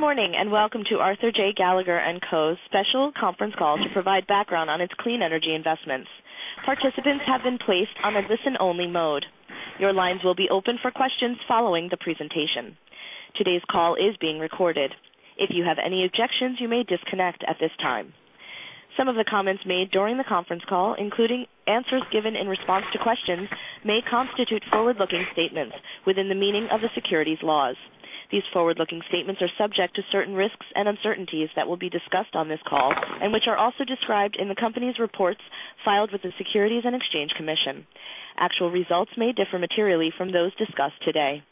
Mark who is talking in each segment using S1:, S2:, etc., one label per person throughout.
S1: Good morning. Welcome to Arthur J. Gallagher & Co.'s special conference call to provide background on its clean energy investments. Participants have been placed on a listen-only mode. Your lines will be open for questions following the presentation. Today's call is being recorded. If you have any objections, you may disconnect at this time. Some of the comments made during the conference call, including answers given in response to questions, may constitute forward-looking statements within the meaning of the securities laws. These forward-looking statements are subject to certain risks and uncertainties that will be discussed on this call and which are also described in the company's reports filed with the Securities and Exchange Commission. Actual results may differ materially from those discussed today.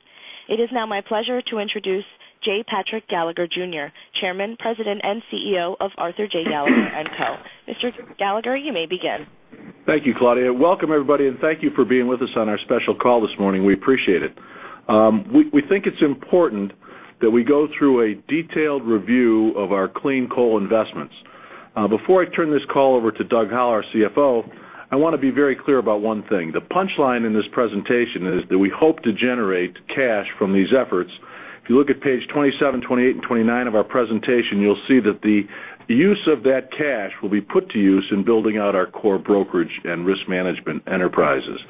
S1: It is now my pleasure to introduce J. Patrick Gallagher, Jr., Chairman, President, and Chief Executive Officer of Arthur J. Gallagher & Co. Mr. Gallagher, you may begin.
S2: Thank you, Claudia. Welcome, everybody. Thank you for being with us on our special call this morning. We appreciate it. We think it's important that we go through a detailed review of our clean coal investments. Before I turn this call over to Doug Howell, our CFO, I want to be very clear about one thing. The punchline in this presentation is that we hope to generate cash from these efforts. If you look at page 27, 28, and 29 of our presentation, you'll see that the use of that cash will be put to use in building out our core brokerage and risk management enterprises.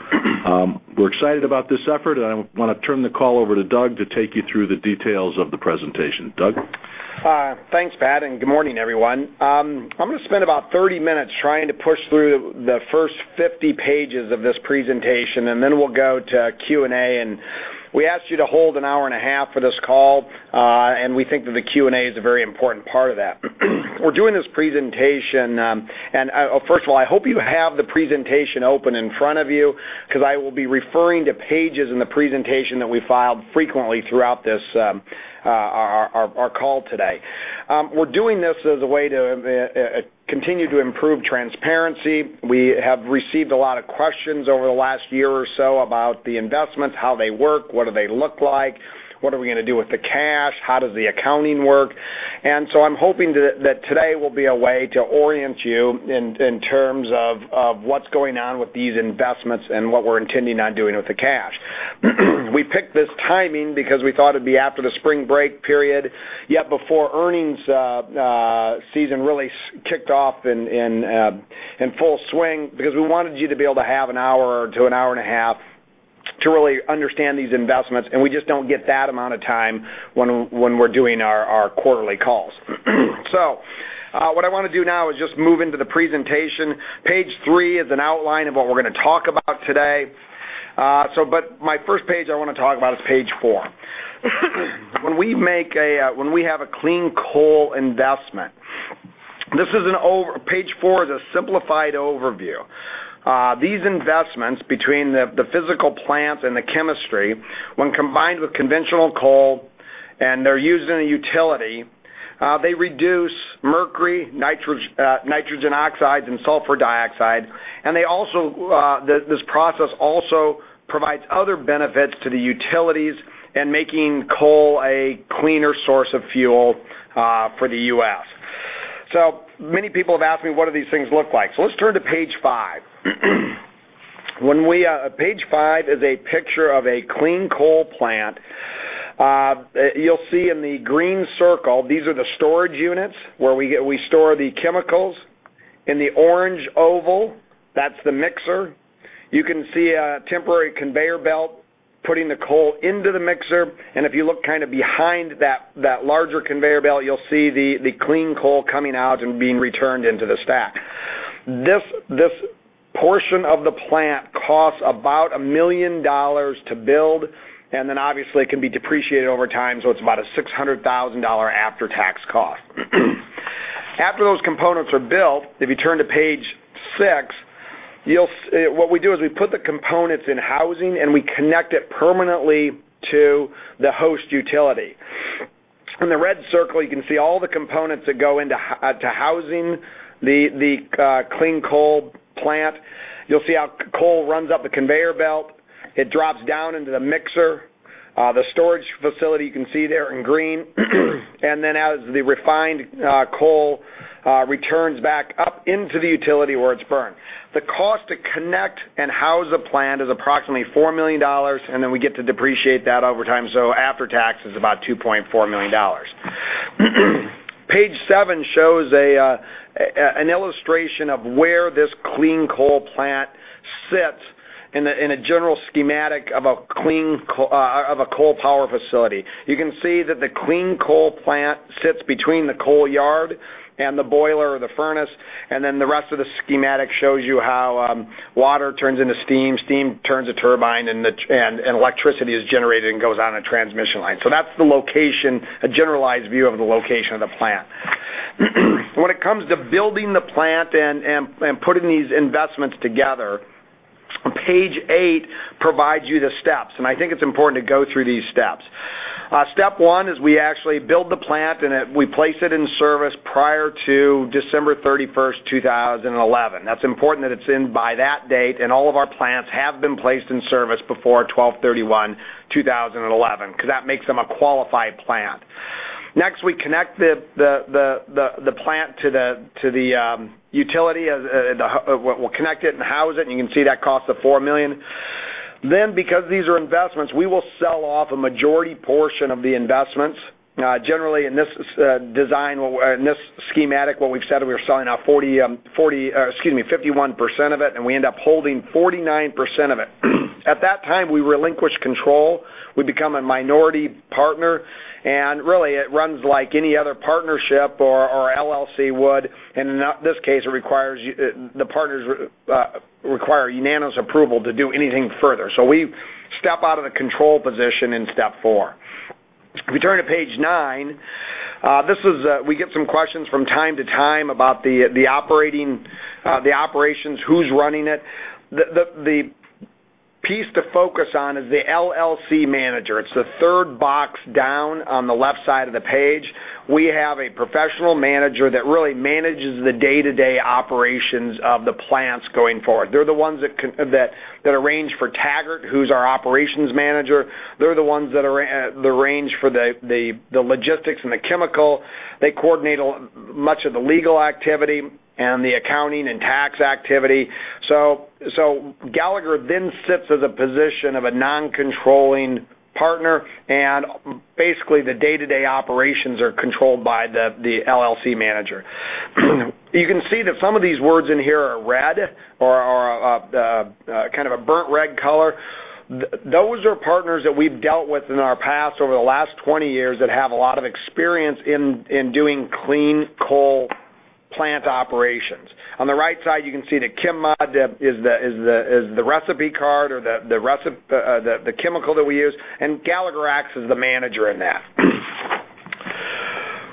S2: We're excited about this effort. I want to turn the call over to Doug to take you through the details of the presentation. Doug?
S3: Thanks, Pat. Good morning, everyone. I'm going to spend about 30 minutes trying to push through the first 50 pages of this presentation. Then we'll go to Q&A. We asked you to hold an hour and a half for this call. We think that the Q&A is a very important part of that. First of all, I hope you have the presentation open in front of you, because I will be referring to pages in the presentation that we filed frequently throughout our call today. We're doing this as a way to continue to improve transparency. We have received a lot of questions over the last year or so about the investments, how they work, what do they look like, what are we going to do with the cash, how does the accounting work? I'm hoping that today will be a way to orient you in terms of what's going on with these investments and what we're intending on doing with the cash. We picked this timing because we thought it'd be after the spring break period, yet before earnings season really kicked off in full swing, because we wanted you to be able to have an hour to an hour and a half to really understand these investments. We just don't get that amount of time when we're doing our quarterly calls. What I want to do now is just move into the presentation. Page three is an outline of what we're going to talk about today. My first page I want to talk about is page four. When we have a clean coal investment, page four is a simplified overview. These investments, between the physical plant and the chemistry, when combined with conventional coal, and they're used in a utility, they reduce mercury, nitrogen oxides, and sulfur dioxide. This process also provides other benefits to the utilities in making coal a cleaner source of fuel for the U.S. Many people have asked me, what do these things look like? Let's turn to page five. Page five is a picture of a clean coal plant. You'll see in the green circle, these are the storage units where we store the chemicals. In the orange oval, that's the mixer. You can see a temporary conveyor belt putting the coal into the mixer, and if you look kind of behind that larger conveyor belt, you'll see the clean coal coming out and being returned into the stack. This portion of the plant costs about $1 million to build, and then obviously it can be depreciated over time, so it's about a $600,000 after-tax cost. After those components are built, if you turn to page six, what we do is we put the components in housing, and we connect it permanently to the host utility. In the red circle, you can see all the components that go into housing the clean coal plant. You'll see how coal runs up the conveyor belt. It drops down into the mixer. The storage facility you can see there in green. As the refined coal returns back up into the utility where it's burned. The cost to connect and house a plant is approximately $4 million, and then we get to depreciate that over time. After tax, it's about $2.4 million. Page seven shows an illustration of where this clean coal plant sits in a general schematic of a coal power facility. You can see that the clean coal plant sits between the coal yard and the boiler or the furnace, the rest of the schematic shows you how water turns into steam turns a turbine, and electricity is generated and goes out on a transmission line. That's a generalized view of the location of the plant. When it comes to building the plant and putting these investments together, page eight provides you the steps, and I think it's important to go through these steps. Step one is we actually build the plant, and we place it in service prior to December 31st, 2011. That's important that it's in by that date, and all of our plants have been placed in service before 12/31/2011, because that makes them a qualified plant. Next, we connect the plant to the utility. We'll connect it and house it, and you can see that cost of $4 million. Because these are investments, we will sell off a majority portion of the investments. Generally, in this design, in this schematic, what we've said, we are selling off 51% of it, and we end up holding 49% of it. At that time, we relinquish control. We become a minority partner, and really it runs like any other partnership or LLC would, and in this case, the partners require unanimous approval to do anything further. We step out of the control position in step four. If we turn to page nine, we get some questions from time to time about the operations, who's running it. The piece to focus on is the LLC manager. It's the third box down on the left side of the page. We have a professional manager that really manages the day-to-day operations of the plants going forward. They're the ones that arrange for Taggart, who's our operations manager. They're the ones that arrange for the logistics and the chemical. They coordinate much of the legal activity and the accounting and tax activity. Gallagher then sits as a position of a non-controlling partner and basically the day-to-day operations are controlled by the LLC manager. You can see that some of these words in here are red or are kind of a burnt red color. Those are partners that we've dealt with in our past over the last 20 years that have a lot of experience in doing clean coal plant operations. On the right side, you can see that ChemMod is the recipe card or the chemical that we use, and Gallagher acts as the manager in that.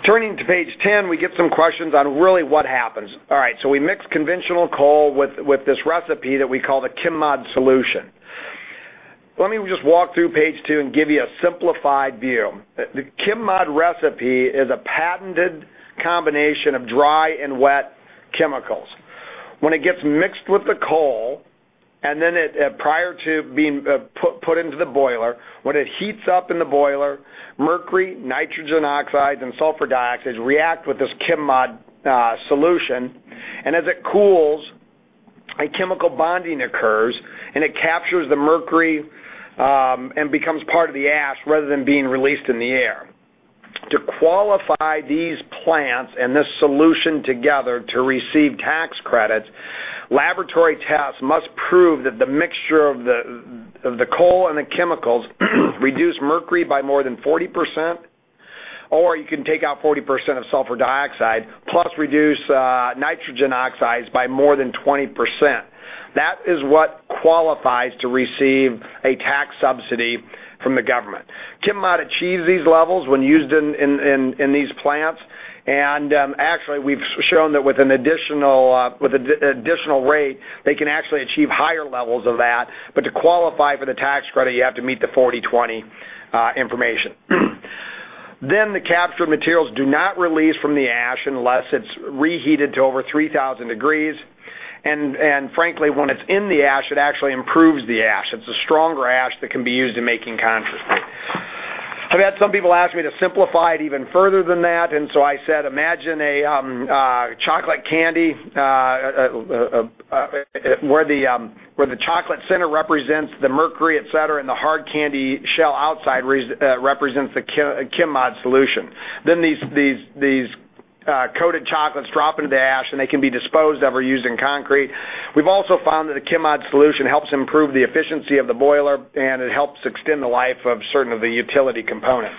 S3: Turning to page 10, we get some questions on really what happens. We mix conventional coal with this recipe that we call the ChemMod solution. Let me just walk through page two and give you a simplified view. The ChemMod recipe is a patented combination of dry and wet chemicals. When it gets mixed with the coal, and then prior to being put into the boiler, when it heats up in the boiler, mercury, nitrogen oxides, and sulfur dioxides react with this ChemMod solution, and as it cools, a chemical bonding occurs, and it captures the mercury, and becomes part of the ash rather than being released in the air. To qualify these plants and this solution together to receive tax credits, laboratory tests must prove that the mixture of the coal and the chemicals reduce mercury by more than 40%, or you can take out 40% of sulfur dioxide, plus reduce nitrogen oxides by more than 20%. That is what qualifies to receive a tax subsidy from the government. ChemMod achieves these levels when used in these plants. Actually, we've shown that with an additional rate, they can actually achieve higher levels of that. To qualify for the tax credit, you have to meet the 40/20 information. The captured materials do not release from the ash unless it's reheated to over 3,000 degrees. Frankly, when it's in the ash, it actually improves the ash. It's a stronger ash that can be used in making concrete. I've had some people ask me to simplify it even further than that, and so I said, imagine a chocolate candy, where the chocolate center represents the mercury, et cetera, and the hard candy shell outside represents the ChemMod solution. These coated chocolates drop into the ash, and they can be disposed of or used in concrete. We've also found that a ChemMod solution helps improve the efficiency of the boiler, and it helps extend the life of certain of the utility components.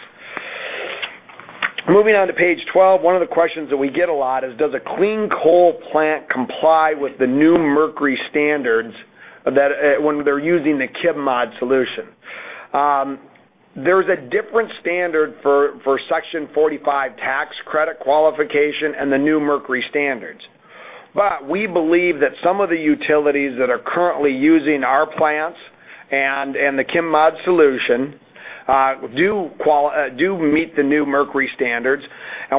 S3: Moving on to page 12, one of the questions that we get a lot is, does a clean coal plant comply with the new mercury standards when they're using the ChemMod solution? There is a different standard for Section 45 tax credit qualification and the new mercury standards. We believe that some of the utilities that are currently using our plants and the ChemMod solution, do meet the new mercury standards.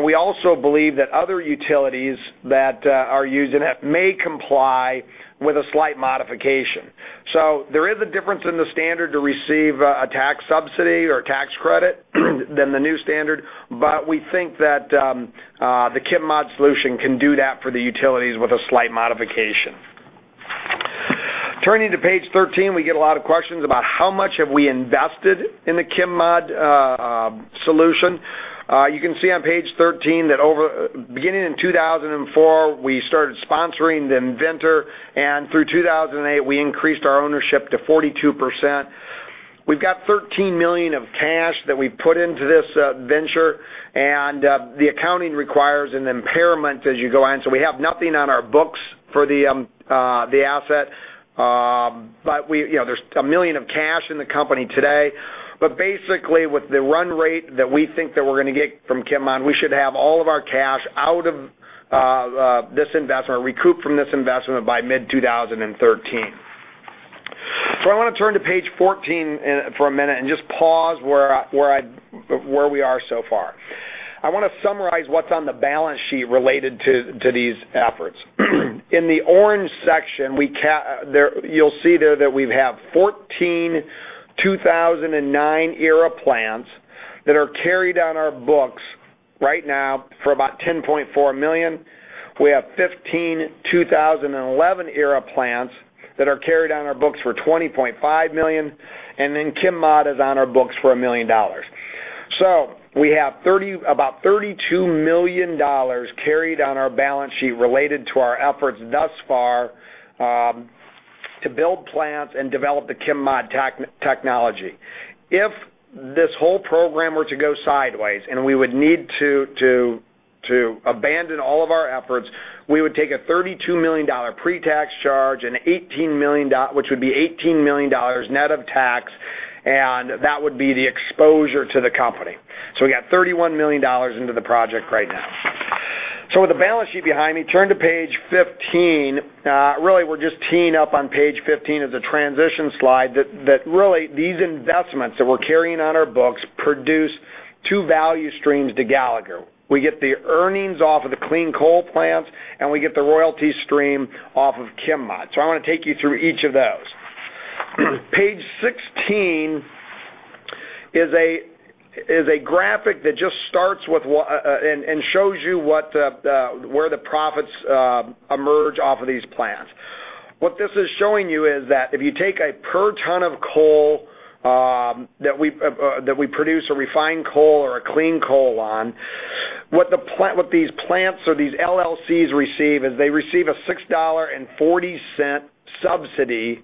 S3: We also believe that other utilities that are using it may comply with a slight modification. There is a difference in the standard to receive a tax subsidy or tax credit than the new standard, but we think that the ChemMod solution can do that for the utilities with a slight modification. Turning to page 13, we get a lot of questions about how much have we invested in the ChemMod solution. You can see on page 13 that beginning in 2004, we started sponsoring the inventor, and through 2008, we increased our ownership to 42%. We've got $13 million of cash that we put into this venture, and the accounting requires an impairment as you go on. We have nothing on our books for the asset. There is $1 million of cash in the company today. Basically, with the run rate that we think that we're going to get from ChemMod, we should have all of our cash out of this investment, recouped from this investment by mid-2013. I want to turn to page 14 for a minute and just pause where we are so far. I want to summarize what's on the balance sheet related to these efforts. In the orange section, you'll see there that we have 14 2009-era plants that are carried on our books. Right now, for about $10.4 million, we have 15 2011-era plants that are carried on our books for $20.5 million, and then ChemMod is on our books for $1 million. We have about $32 million carried on our balance sheet related to our efforts thus far to build plants and develop the ChemMod technology. If this whole program were to go sideways, and we would need to abandon all of our efforts, we would take a $32 million pre-tax charge, which would be $18 million net of tax, and that would be the exposure to the company. We got $31 million into the project right now. With the balance sheet behind me, turn to page 15. Really, we're just teeing up on page 15 as a transition slide that really these investments that we're carrying on our books produce two value streams to Gallagher. We get the earnings off of the clean coal plants, and we get the royalty stream off of ChemMod. I want to take you through each of those. Page 16 is a graphic that just starts and shows you where the profits emerge off of these plants. What this is showing you is that if you take a per ton of coal that we produce a refined coal or a clean coal on, what these plants or these LLCs receive is they receive a $6.40 subsidy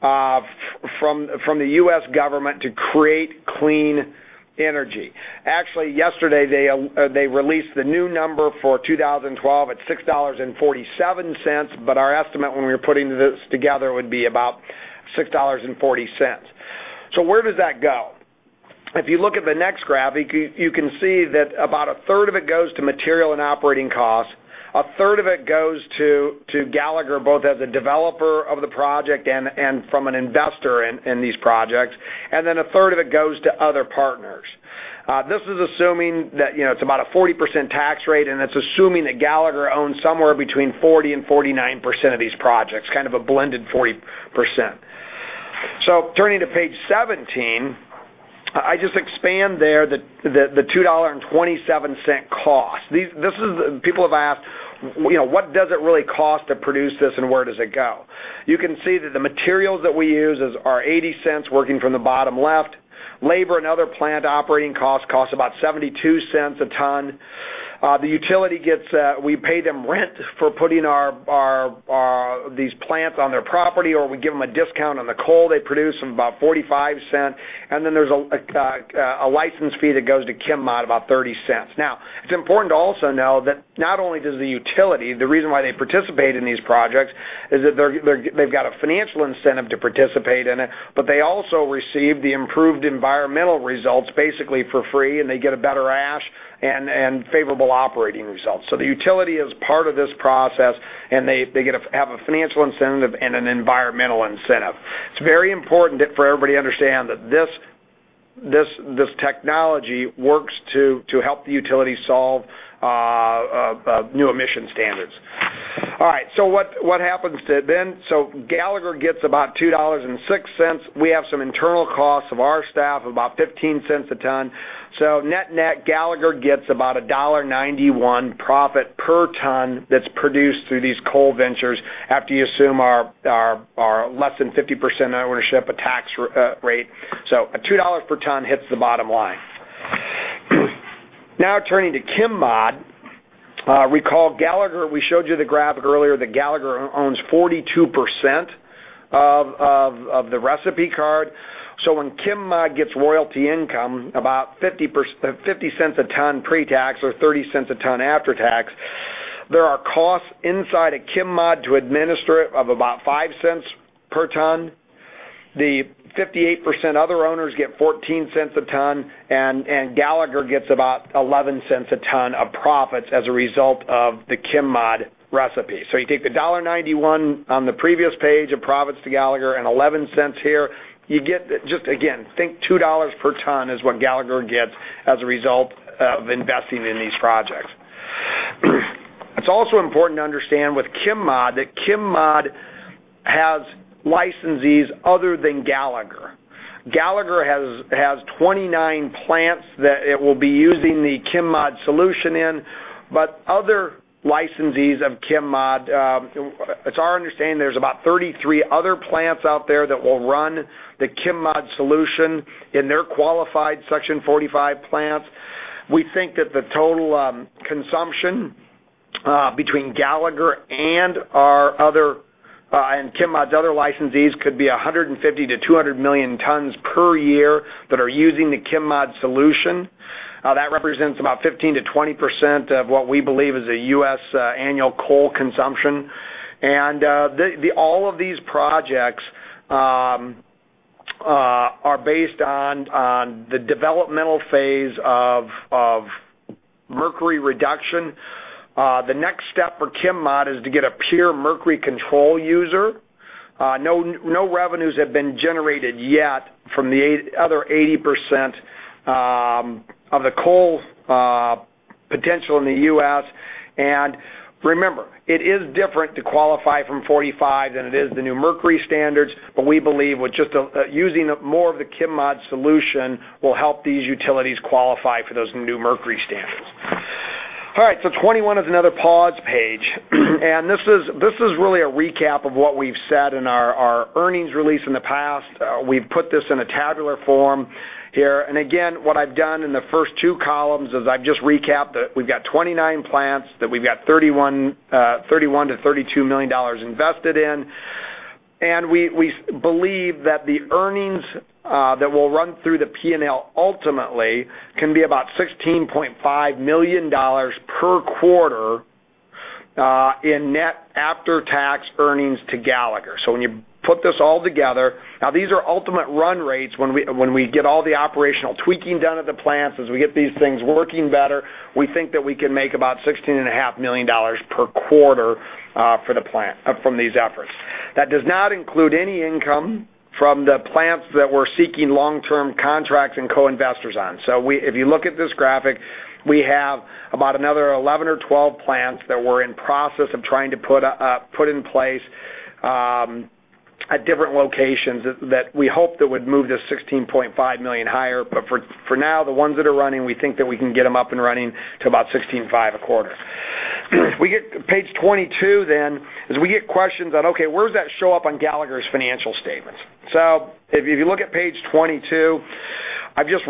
S3: from the U.S. government to create clean energy. Actually, yesterday, they released the new number for 2012. It's $6.47, but our estimate when we were putting this together would be about $6.40. Where does that go? If you look at the next graphic, you can see that about a third of it goes to material and operating costs. A third of it goes to Gallagher, both as a developer of the project and from an investor in these projects. A third of it goes to other partners. This is assuming that it's about a 40% tax rate, and it's assuming that Gallagher owns somewhere between 40% and 49% of these projects, kind of a blended 40%. Turning to page 17, I just expand there the $2.27 cost. People have asked, "What does it really cost to produce this, and where does it go?" You can see that the materials that we use are $0.80, working from the bottom left. Labor and other plant operating costs cost about $0.72 a ton. The utility, we pay them rent for putting these plants on their property, or we give them a discount on the coal they produce of about $0.45. There's a license fee that goes to ChemMod, about $0.30. It's important to also know that not only does the utility, the reason why they participate in these projects is that they've got a financial incentive to participate in it, but they also receive the improved environmental results basically for free, and they get a better ash and favorable operating results. The utility is part of this process, and they have a financial incentive and an environmental incentive. It's very important for everybody to understand that this technology works to help the utility solve new emission standards. What happens then? Gallagher gets about $2.06. We have some internal costs of our staff of about $0.15 a ton. Net-net, Gallagher gets about a $1.91 profit per ton that's produced through these coal ventures after you assume our less than 50% ownership, a tax rate. A $2 per ton hits the bottom line. Turning to ChemMod. Recall, we showed you the graphic earlier that Gallagher owns 42% of the recipe card. When ChemMod gets royalty income, about $0.50 a ton pre-tax or $0.30 a ton after tax, there are costs inside of ChemMod to administer it of about $0.05 per ton. The 58% other owners get $0.14 a ton, and Gallagher gets about $0.11 a ton of profits as a result of the ChemMod recipe. You take the $1.91 on the previous page of profits to Gallagher and $0.11 here, you get, just again, think $2 per ton is what Gallagher gets as a result of investing in these projects. It's also important to understand with ChemMod, that ChemMod has licensees other than Gallagher. Gallagher has 29 plants that it will be using the ChemMod solution in, but other licensees of ChemMod, it's our understanding there's about 33 other plants out there that will run the ChemMod solution in their qualified Section 45 plants. We think that the total consumption between Gallagher and ChemMod's other licensees could be 150-200 million tons per year that are using the ChemMod solution. That represents about 15%-20% of what we believe is the U.S. annual coal consumption. All of these projects are based on the developmental phase of mercury reduction. The next step for ChemMod is to get a pure mercury control user. No revenues have been generated yet from the other 80% of the coal potential in the U.S. Remember, it is different to qualify from Section 45 than it is the new mercury standards. We believe with just using more of the ChemMod solution will help these utilities qualify for those new mercury standards. 21 is another pause page. This is really a recap of what we've said in our earnings release in the past. We've put this in a tabular form here. What I've done in the first two columns is I've just recapped that we've got 29 plants, that we've got $31 million-$32 million invested in. We believe that the earnings that will run through the P&L ultimately can be about $16.5 million per quarter, in net after-tax earnings to Gallagher. When you put this all together Now, these are ultimate run rates. When we get all the operational tweaking done at the plants, as we get these things working better, we think that we can make about $16.5 million per quarter from these efforts. That does not include any income from the plants that we're seeking long-term contracts and co-investors on. If you look at this graphic, we have about another 11 or 12 plants that we're in process of trying to put in place, at different locations, that we hope that would move to $16.5 million higher. For now, the ones that are running, we think that we can get them up and running to about $16.5 a quarter. We get to page 22. As we get questions on, okay, where does that show up on Gallagher's financial statements? If you look at page 22, I've just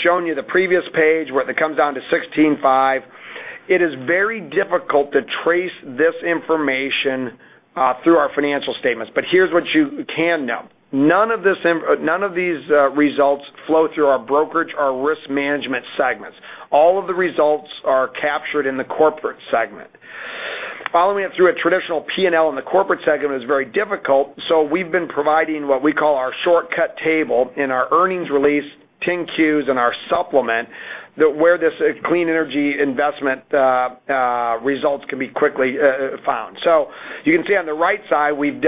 S3: shown you the previous page where it comes down to $16.5. It is very difficult to trace this information through our financial statements. Here's what you can know. None of these results flow through our brokerage or risk management segments. All of the results are captured in the corporate segment. Following it through a traditional P&L in the corporate segment is very difficult, we've been providing what we call our shortcut table in our earnings release, 10-Qs, and our supplement, where these clean energy investment results can be quickly found. You can see on the right side, we've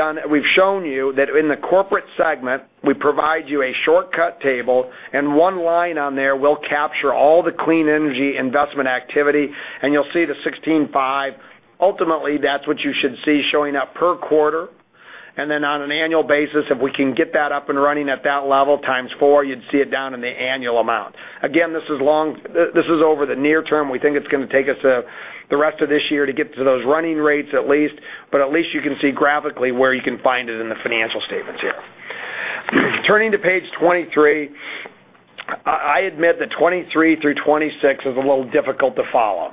S3: shown you that in the corporate segment, we provide you a shortcut table, and one line on there will capture all the clean energy investment activity, and you'll see the $16.5. Ultimately, that's what you should see showing up per quarter. On an annual basis, if we can get that up and running at that level times four, you'd see it down in the annual amount. Again, this is over the near term. We think it's going to take us the rest of this year to get to those running rates at least, at least you can see graphically where you can find it in the financial statements here. Turning to page 23, I admit that 23-26 is a little difficult to follow.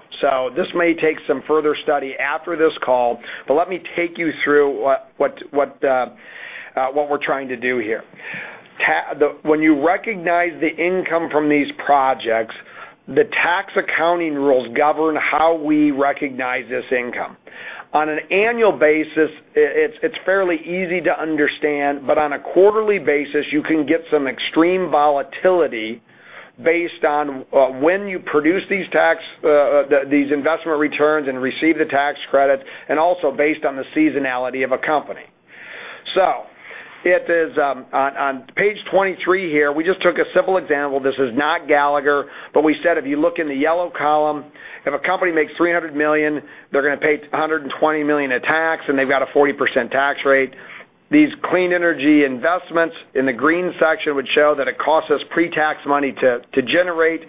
S3: This may take some further study after this call, let me take you through what we're trying to do here. When you recognize the income from these projects, the tax accounting rules govern how we recognize this income. On an annual basis, it's fairly easy to understand, but on a quarterly basis, you can get some extreme volatility based on when you produce these investment returns and receive the tax credit, and also based on the seasonality of a company. On page 23 here, we just took a simple example. This is not Gallagher, but we said if you look in the yellow column, if a company makes $300 million, they're going to pay $120 million in tax, and they've got a 40% tax rate. These clean energy investments in the green section would show that it costs us pre-tax money to generate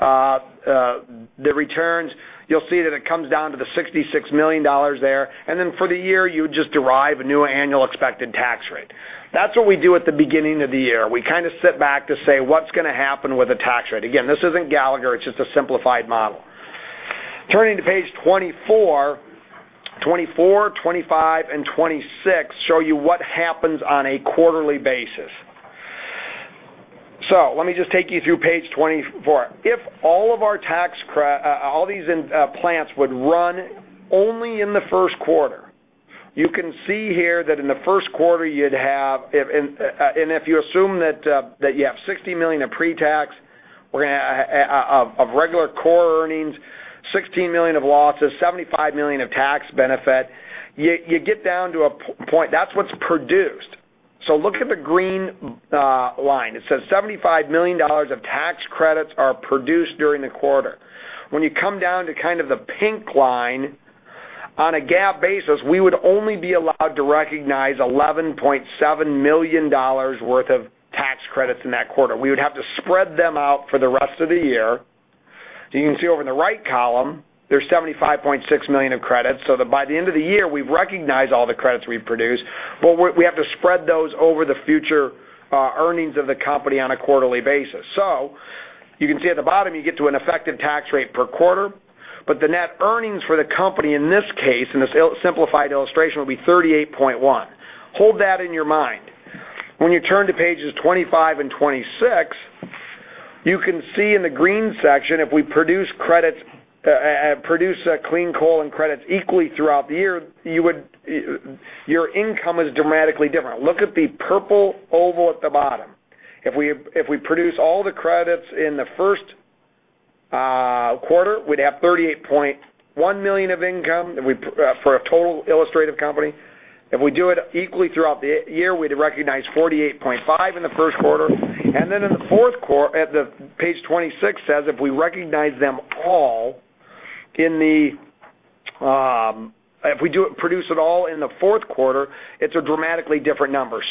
S3: the returns. You'll see that it comes down to the $66 million there. For the year, you would just derive a new annual expected tax rate. That's what we do at the beginning of the year. We kind of sit back to say, what's going to happen with the tax rate? Again, this isn't Gallagher. It's just a simplified model. Turning to page 24, 25, and 26 show you what happens on a quarterly basis. Let me just take you through page 24. If all these plants would run only in the first quarter, you can see here that in the first quarter, you'd have. If you assume that you have $60 million of pre-tax of regular core earnings, $16 million of losses, $75 million of tax benefit, you get down to a point. That's what's produced. Look at the green line. It says $75 million of tax credits are produced during the quarter. When you come down to kind of the pink line, on a GAAP basis, we would only be allowed to recognize $11.7 million worth of tax credits in that quarter. We would have to spread them out for the rest of the year. You can see over in the right column, there's $75.6 million of credits, so that by the end of the year, we've recognized all the credits we've produced, but we have to spread those over the future earnings of the company on a quarterly basis. You can see at the bottom, you get to an effective tax rate per quarter, but the net earnings for the company in this case, in this simplified illustration, will be $38.1 million. Hold that in your mind. When you turn to pages 25 and 26, you can see in the green section, if we produce clean coal and credits equally throughout the year, your income is dramatically different. Look at the purple oval at the bottom. If we produce all the credits in the first quarter, we'd have $38.1 million of income for a total illustrative company. If we do it equally throughout the year, we'd recognize $48.5 million in the first quarter. In the fourth quarter, page 26 says, if we produce it all in the fourth quarter, it's a dramatically different number.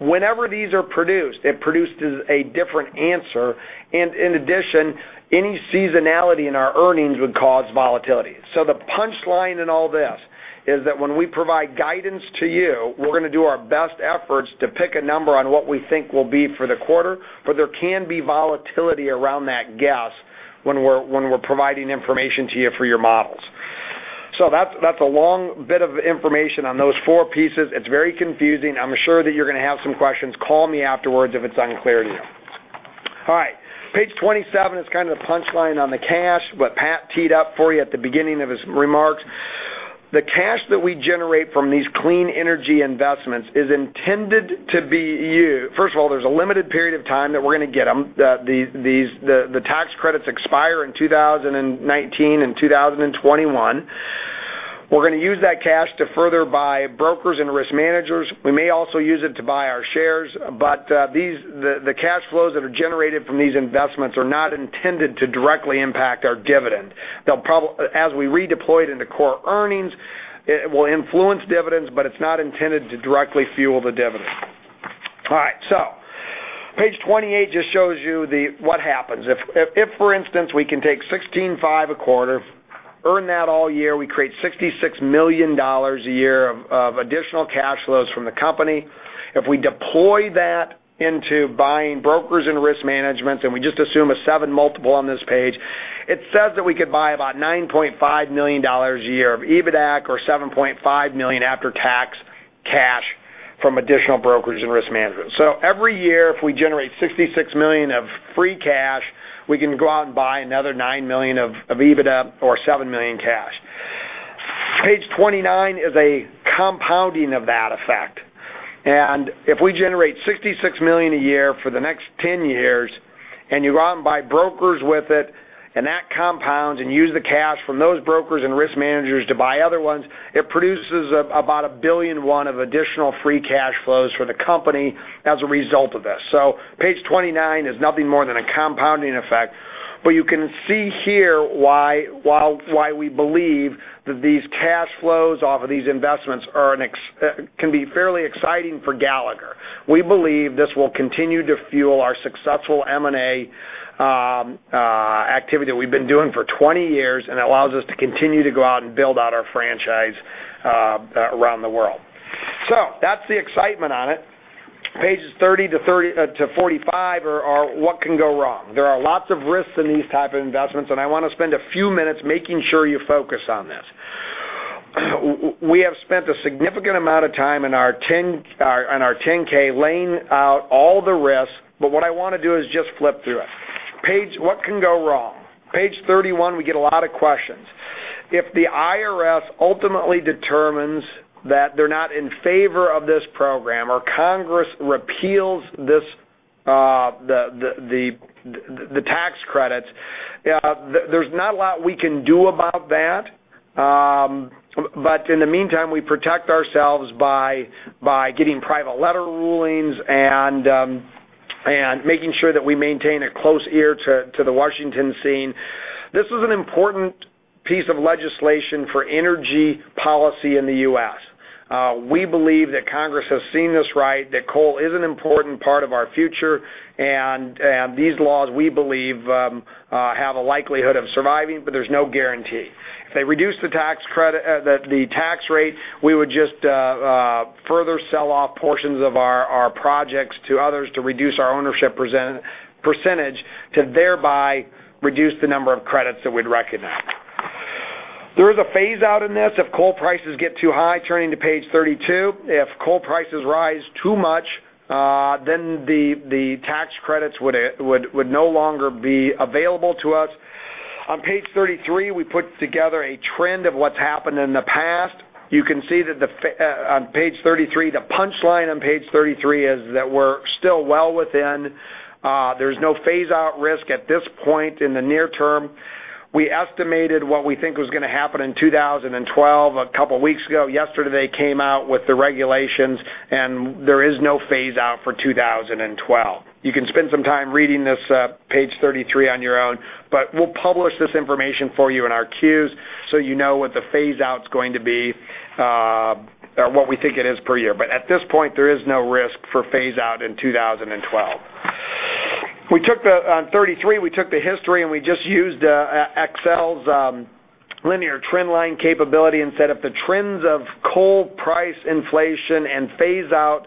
S3: Whenever these are produced, it produces a different answer. In addition, any seasonality in our earnings would cause volatility. The punchline in all this is that when we provide guidance to you, we're going to do our best efforts to pick a number on what we think will be for the quarter, but there can be volatility around that guess when we're providing information to you for your models. That's a long bit of information on those four pieces. It's very confusing. I'm sure that you're going to have some questions. Call me afterwards if it's unclear to you. Page 27 is kind of the punchline on the cash, what Pat teed up for you at the beginning of his remarks. The cash that we generate from these clean energy investments is intended to be used. First of all, there's a limited period of time that we're going to get them. The tax credits expire in 2019 and 2021. We're going to use that cash to further buy brokers and risk managers. We may also use it to buy our shares, but the cash flows that are generated from these investments are not intended to directly impact our dividend. As we redeploy it into core earnings, it will influence dividends, but it's not intended to directly fuel the dividend. Page 28 just shows you what happens. If, for instance, we can take $16.5 a quarter, earn that all year, we create $66 million a year of additional cash flows from the company. If we deploy that into buying brokers and risk management, and we just assume a seven multiple on this page, it says that we could buy about $9.5 million a year of EBITDAC or $7.5 million after-tax cash from additional brokerage and risk management. Every year, if we generate $66 million of free cash, we can go out and buy another $9 million of EBITDA or $7 million cash. Page 29 is a compounding of that effect. If we generate $66 million a year for the next 10 years, and you go out and buy brokers with it, and that compounds, and use the cash from those brokers and risk managers to buy other ones, it produces about $1.1 billion of additional free cash flows for the company as a result of this. Page 29 is nothing more than a compounding effect, you can see here why we believe that these cash flows off of these investments can be fairly exciting for Gallagher. We believe this will continue to fuel our successful M&A activity that we've been doing for 20 years, and it allows us to continue to go out and build out our franchise around the world. That's the excitement on it. Pages 30 to 45 are what can go wrong. There are lots of risks in these type of investments, I want to spend a few minutes making sure you focus on this. We have spent a significant amount of time on our 10-K laying out all the risks, what I want to do is just flip through it. What can go wrong? Page 31, we get a lot of questions. If the IRS ultimately determines that they're not in favor of this program, or Congress repeals the tax credits, there's not a lot we can do about that. In the meantime, we protect ourselves by getting private letter rulings and making sure that we maintain a close ear to the Washington scene. This is an important piece of legislation for energy policy in the U.S. We believe that Congress has seen this right, that coal is an important part of our future, and these laws, we believe, have a likelihood of surviving, but there's no guarantee. If they reduce the tax rate, we would just further sell off portions of our projects to others to reduce our ownership percentage to thereby reduce the number of credits that we'd recognize. There is a phase-out in this if coal prices get too high, turning to page 32. If coal prices rise too much, then the tax credits would no longer be available to us. On page 33, we put together a trend of what's happened in the past. You can see on page 33, the punchline on page 33 is that we're still well within. There's no phase-out risk at this point in the near term. We estimated what we think was going to happen in 2012 a couple of weeks ago. Yesterday, they came out with the regulations, and there is no phase-out for 2012. You can spend some time reading this page 33 on your own, but we'll publish this information for you in our Q's so you know what the phase-out's going to be, or what we think it is per year. At this point, there is no risk for phase-out in 2012. On 33, we took the history, and we just used Excel's linear trend line capability and set up the trends of coal price inflation and phase-out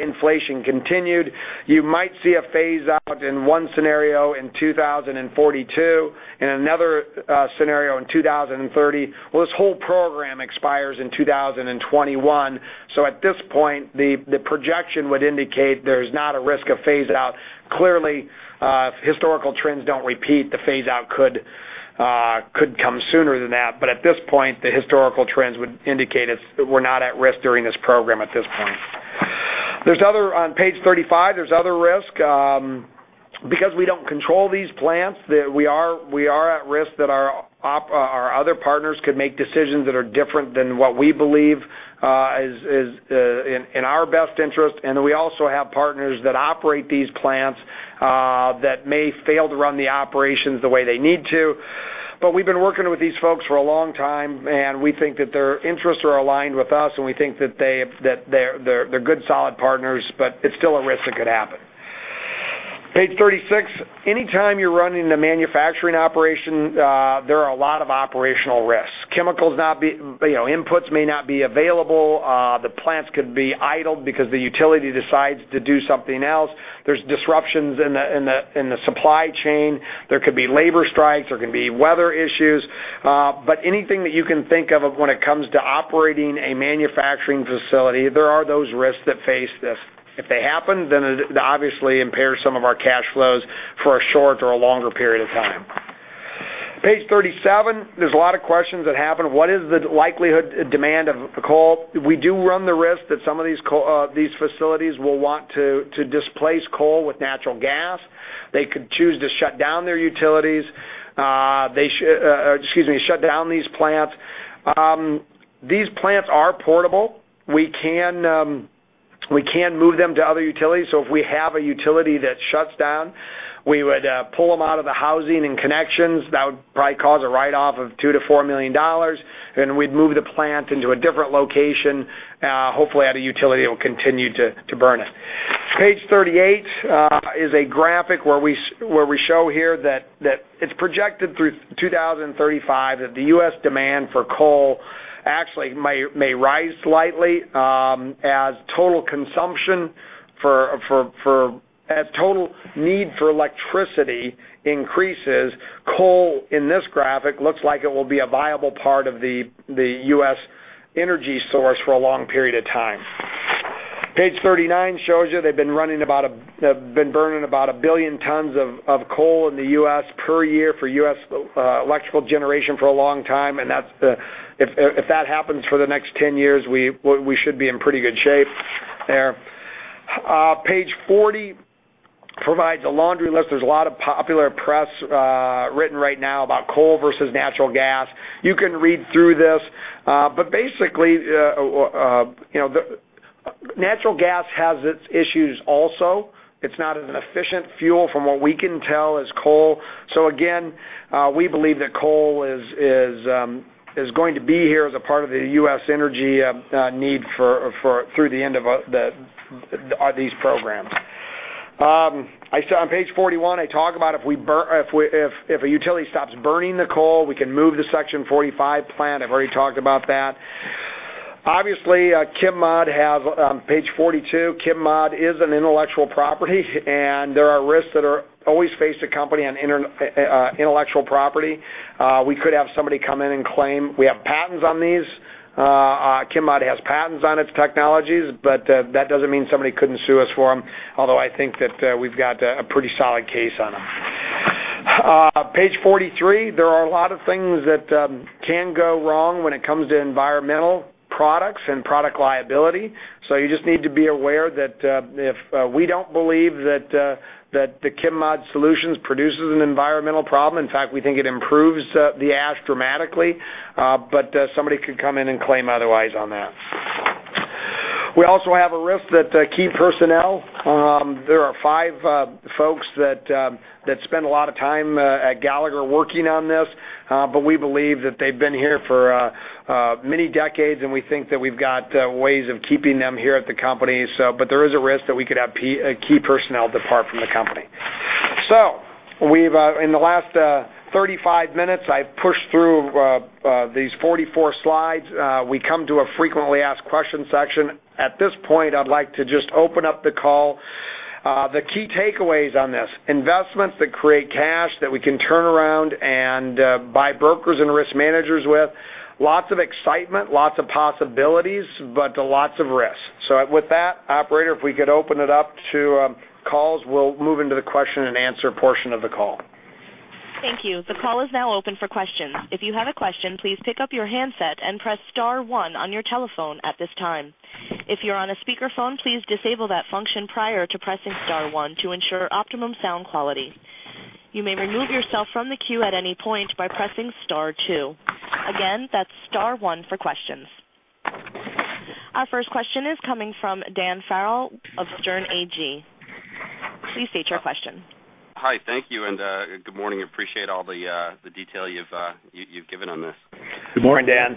S3: inflation continued. You might see a phase-out in one scenario in 2042, in another scenario in 2030. This whole program expires in 2021, so at this point, the projection would indicate there's not a risk of phase-out. Clearly, if historical trends don't repeat, the phase-out could come sooner than that. At this point, the historical trends would indicate we're not at risk during this program at this point. On page 35, there's other risk. Because we don't control these plants, we are at risk that our other partners could make decisions that are different than what we believe is in our best interest. We also have partners that operate these plants, that may fail to run the operations the way they need to. We've been working with these folks for a long time, and we think that their interests are aligned with us, and we think that they're good solid partners, but it's still a risk it could happen. Page 36. Anytime you're running a manufacturing operation, there are a lot of operational risks. Inputs may not be available. The plants could be idled because the utility decides to do something else. There's disruptions in the supply chain. There could be labor strikes. There can be weather issues. Anything that you can think of when it comes to operating a manufacturing facility, there are those risks that face this. If they happen, then it obviously impairs some of our cash flows for a short or a longer period of time. Page 37. There's a lot of questions that happen. What is the likelihood demand of coal? We do run the risk that some of these facilities will want to displace coal with natural gas. They could choose to shut down their utilities. Excuse me, shut down these plants. These plants are portable. We can move them to other utilities. If we have a utility that shuts down, we would pull them out of the housing and connections. That would probably cause a write-off of $2 million-$4 million, and we'd move the plant into a different location, hopefully at a utility that will continue to burn it. Page 38 is a graphic where we show here that it's projected through 2035 that the U.S. demand for coal actually may rise slightly, as total need for electricity increases, coal in this graphic looks like it will be a viable part of the U.S. energy source for a long period of time. Page 39 shows you they've been burning about 1 billion tons of coal in the U.S. per year for U.S. electrical generation for a long time, and if that happens for the next 10 years, we should be in pretty good shape there. Page 40 provides a laundry list. There's a lot of popular press written right now about coal versus natural gas. You can read through this. Basically, natural gas has its issues also. It's not as an efficient fuel, from what we can tell, as coal. Again, we believe that coal is going to be here as a part of the U.S. energy need through the end of these programs. On page 41, I talk about if a utility stops burning the coal, we can move the Section 45 plant. I've already talked about that. Obviously, page 42, ChemMod is an intellectual property, and there are risks that are always faced to company on intellectual property. We could have somebody come in and claim we have patents on these. ChemMod has patents on its technologies, but that doesn't mean somebody couldn't sue us for them. Although I think that we've got a pretty solid case on them. Page 43, there are a lot of things that can go wrong when it comes to environmental products and product liability. You just need to be aware that we don't believe that the ChemMod solutions produces an environmental problem. In fact, we think it improves the ash dramatically. Somebody could come in and claim otherwise on that. We also have a risk that key personnel, there are five folks that spend a lot of time at Gallagher working on this. We believe that they've been here for many decades, and we think that we've got ways of keeping them here at the company. There is a risk that we could have key personnel depart from the company. In the last 35 minutes, I've pushed through these 44 slides. We come to a frequently asked questions section. At this point, I'd like to just open up the call. The key takeaways on this, investments that create cash that we can turn around and buy brokers and risk managers with, lots of excitement, lots of possibilities, but lots of risks. With that, operator, if we could open it up to calls, we'll move into the question and answer portion of the call.
S1: Thank you. The call is now open for questions. If you have a question, please pick up your handset and press star one on your telephone at this time. If you're on a speakerphone, please disable that function prior to pressing star one to ensure optimum sound quality. You may remove yourself from the queue at any point by pressing star two. Again, that's star one for questions. Our first question is coming from Daniel Farrell of Sterne Agee. Please state your question.
S4: Hi. Thank you and good morning. Appreciate all the detail you've given on this.
S3: Good morning, Dan.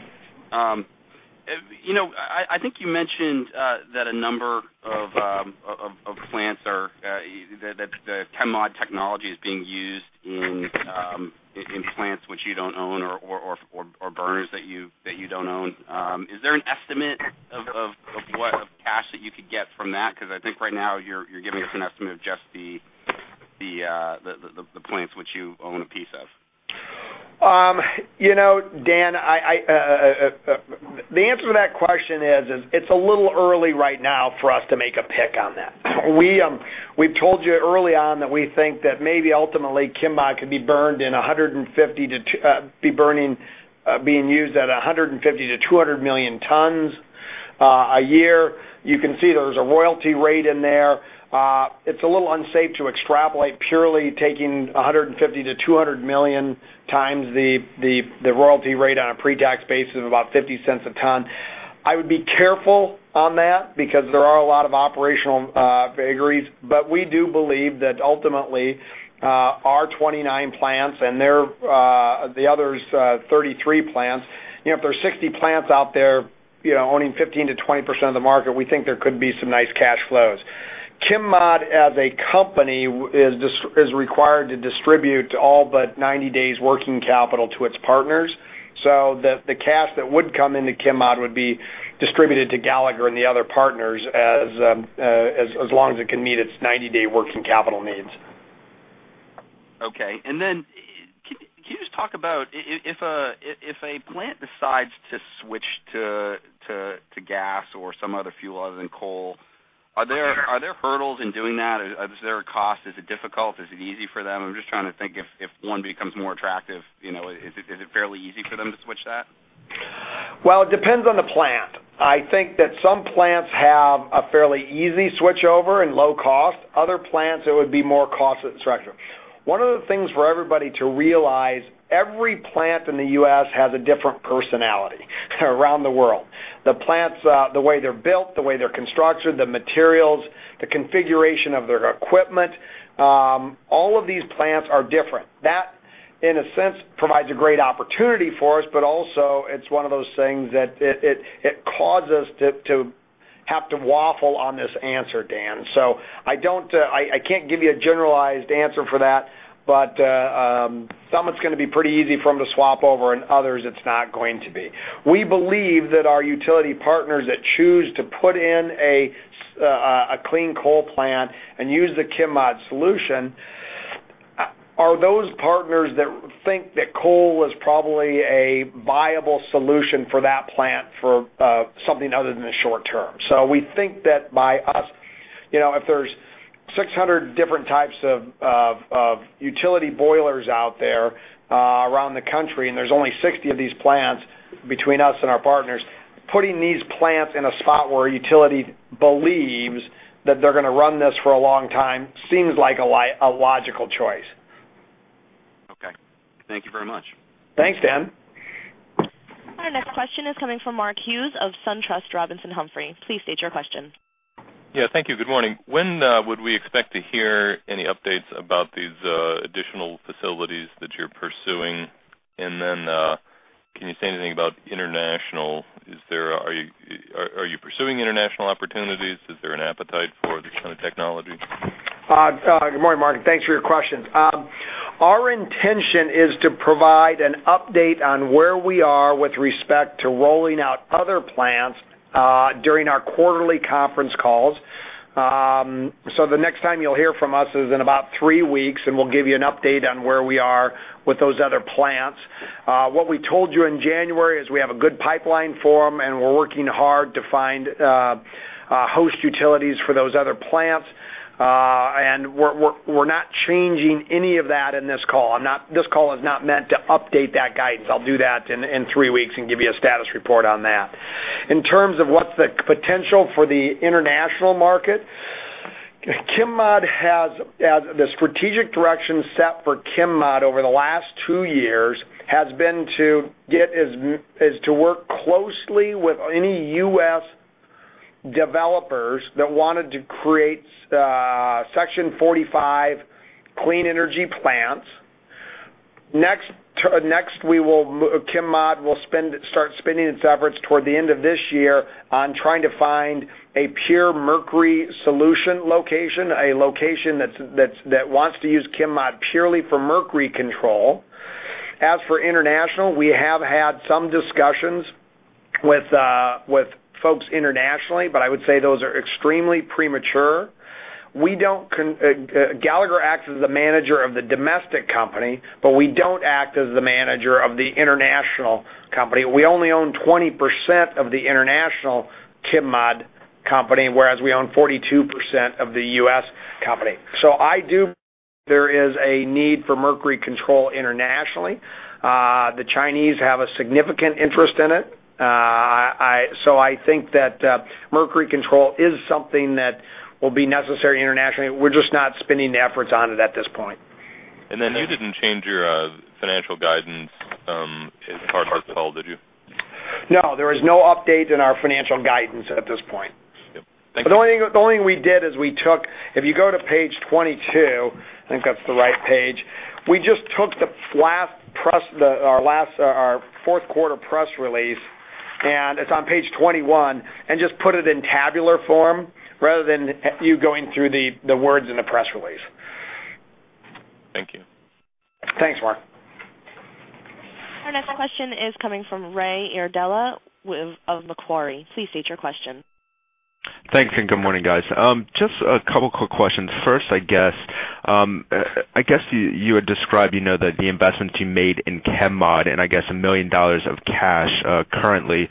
S4: I think you mentioned that a number of plants that the ChemMod technology is being used in plants which you don't own or burners that you don't own. Is there an estimate of cash that you could get from that? Because I think right now you're giving us an estimate of just the plants which you own a piece of.
S3: Dan, the answer to that question is, it's a little early right now for us to make a pick on that. We've told you early on that we think that maybe ultimately ChemMod could be burning Being used at 150 million to 200 million tons a year. You can see there's a royalty rate in there. It's a little unsafe to extrapolate, purely taking 150 million to 200 million times the royalty rate on a pre-tax basis of about $0.50 a ton. I would be careful on that because there are a lot of operational vagaries. We do believe that ultimately, our 29 plants and the other's 33 plants, if there's 60 plants out there owning 15%-20% of the market, we think there could be some nice cash flows. ChemMod as a company is required to distribute all but 90 days working capital to its partners. The cash that would come into ChemMod would be distributed to Gallagher and the other partners as long as it can meet its 90-day working capital needs.
S4: Okay. Can you just talk about if a plant decides to switch to gas or some other fuel other than coal, are there hurdles in doing that? Is there a cost? Is it difficult? Is it easy for them? I'm just trying to think if one becomes more attractive, is it fairly easy for them to switch that?
S3: Well, it depends on the plant. I think that some plants have a fairly easy switchover and low cost. Other plants, it would be more cost and structure. One of the things for everybody to realize, every plant in the U.S. has a different personality around the world. The plants, the way they're built, the way they're constructed, the materials, the configuration of their equipment, all of these plants are different. That, in a sense, provides a great opportunity for us, but also it's one of those things that it causes us to have to waffle on this answer, Dan. I can't give you a generalized answer for that. Some, it's going to be pretty easy for them to swap over, and others, it's not going to be. We believe that our utility partners that choose to put in a clean coal plant and use the ChemMod solution are those partners that think that coal is probably a viable solution for that plant for something other than the short term. We think that by us, if there's 600 different types of utility boilers out there around the country, and there's only 60 of these plants between us and our partners, putting these plants in a spot where a utility believes that they're going to run this for a long time seems like a logical choice.
S4: Okay. Thank you very much.
S3: Thanks, Dan.
S1: Our next question is coming from Mark Hughes of SunTrust Robinson Humphrey. Please state your question.
S5: Thank you. Good morning. When would we expect to hear any updates about these additional facilities that you're pursuing? Then can you say anything about international? Are you pursuing international opportunities? Is there an appetite for this kind of technology?
S3: Good morning, Mark, thanks for your questions. Our intention is to provide an update on where we are with respect to rolling out other plants during our quarterly conference calls. The next time you'll hear from us is in about three weeks, we'll give you an update on where we are with those other plants. What we told you in January is we have a good pipeline for them, we're working hard to find host utilities for those other plants. We're not changing any of that in this call. This call is not meant to update that guidance. I'll do that in three weeks and give you a status report on that. In terms of what's the potential for the international market, the strategic direction set for ChemMod over the last two years has been to work closely with any U.S. developers that wanted to create Section 45 clean energy plants. Next, ChemMod will start spending its efforts toward the end of this year on trying to find a pure mercury solution location, a location that wants to use ChemMod purely for mercury control. As for international, we have had some discussions with folks internationally, but I would say those are extremely premature. Gallagher acts as the manager of the domestic company, but we don't act as the manager of the international company. We only own 20% of the international ChemMod company, whereas we own 42% of the U.S. company. I do believe there is a need for mercury control internationally. The Chinese have a significant interest in it. I think that mercury control is something that will be necessary internationally. We're just not spending the efforts on it at this point.
S5: You didn't change your financial guidance as part of this call, did you?
S3: No, there was no update in our financial guidance at this point.
S5: Yep. Thank you.
S3: The only thing we did is we took, if you go to page 22, I think that's the right page. We just took our fourth quarter press release, and it's on page 21, and just put it in tabular form rather than you going through the words in the press release.
S5: Thank you.
S3: Thanks, Mark.
S1: Our next question is coming from Ray Iardella of Macquarie. Please state your question.
S6: Thanks, good morning, guys. Just a couple quick questions. First, I guess you had described that the investments you made in ChemMod and I guess $1 million of cash currently.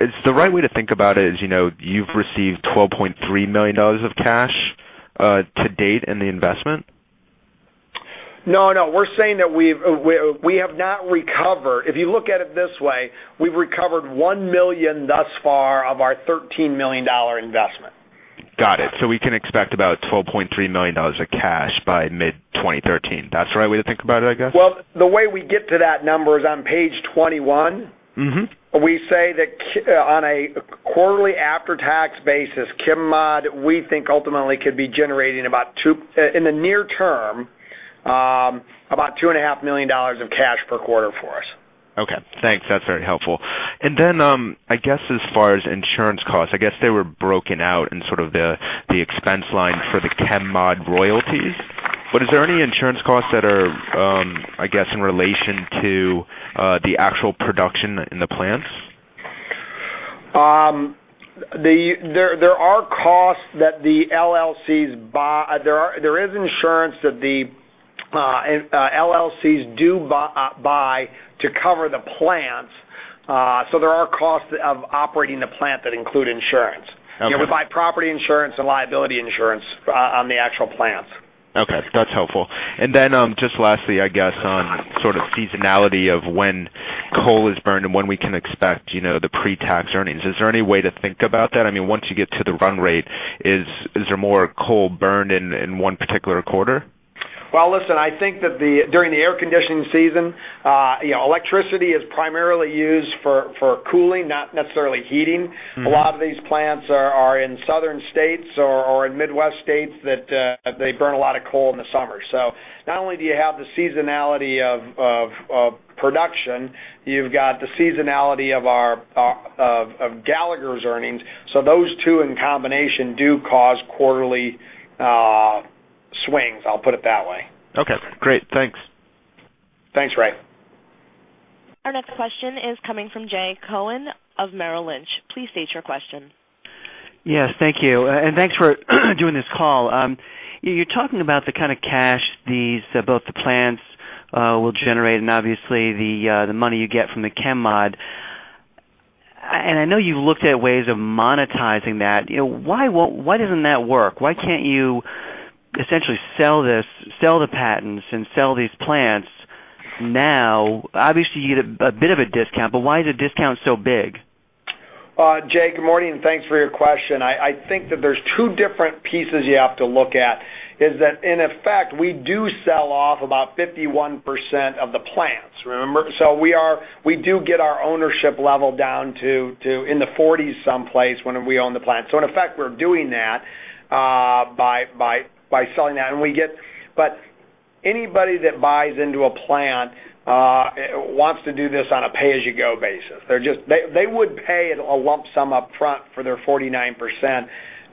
S6: Is the right way to think about it is you've received $12.3 million of cash to date in the investment?
S3: No, we're saying that we have not recovered. If you look at it this way, we've recovered $1 million thus far of our $13 million investment.
S6: Got it. We can expect about $12.3 million of cash by mid-2013. That's the right way to think about it, I guess?
S3: Well, the way we get to that number is on page 21. We say that on a quarterly after-tax basis, ChemMod, we think ultimately could be generating, in the near term, about $2.5 million of cash per quarter for us.
S6: Okay, thanks. That's very helpful. As far as insurance costs, I guess they were broken out in sort of the expense line for the ChemMod royalties. Is there any insurance costs that are in relation to the actual production in the plants?
S3: There are costs that the LLCs buy. There is insurance that the LLCs do buy to cover the plants. There are costs of operating the plant that include insurance.
S6: Okay.
S3: We buy property insurance and liability insurance on the actual plants.
S6: Okay. That's helpful. Just lastly, on sort of seasonality of when coal is burned and when we can expect the pre-tax earnings. Is there any way to think about that? Once you get to the run rate, is there more coal burned in one particular quarter?
S3: Well, listen, I think that during the air conditioning season, electricity is primarily used for cooling, not necessarily heating. A lot of these plants are in southern states or in Midwest states that they burn a lot of coal in the summer. Not only do you have the seasonality of production, you've got the seasonality of Gallagher's earnings. Those two in combination do cause quarterly swings, I'll put it that way.
S6: Okay, great. Thanks.
S3: Thanks, Ray.
S1: Our next question is coming from Jay Cohen of Merrill Lynch. Please state your question.
S7: Yes, thank you, and thanks for doing this call. You're talking about the kind of cash these both plants will generate, and obviously the money you get from the ChemMod. I know you've looked at ways of monetizing that. Why doesn't that work? Why can't you essentially sell the patents and sell these plants now? You get a bit of a discount, but why is the discount so big?
S3: Jay, good morning, and thanks for your question. I think that there's two different pieces you have to look at, is that in effect, we do sell off about 51% of the plants, remember? We do get our ownership level down to in the 40s someplace when we own the plant. In effect, we're doing that by selling that. Anybody that buys into a plant wants to do this on a pay-as-you-go basis. They would pay a lump sum up front for their 49%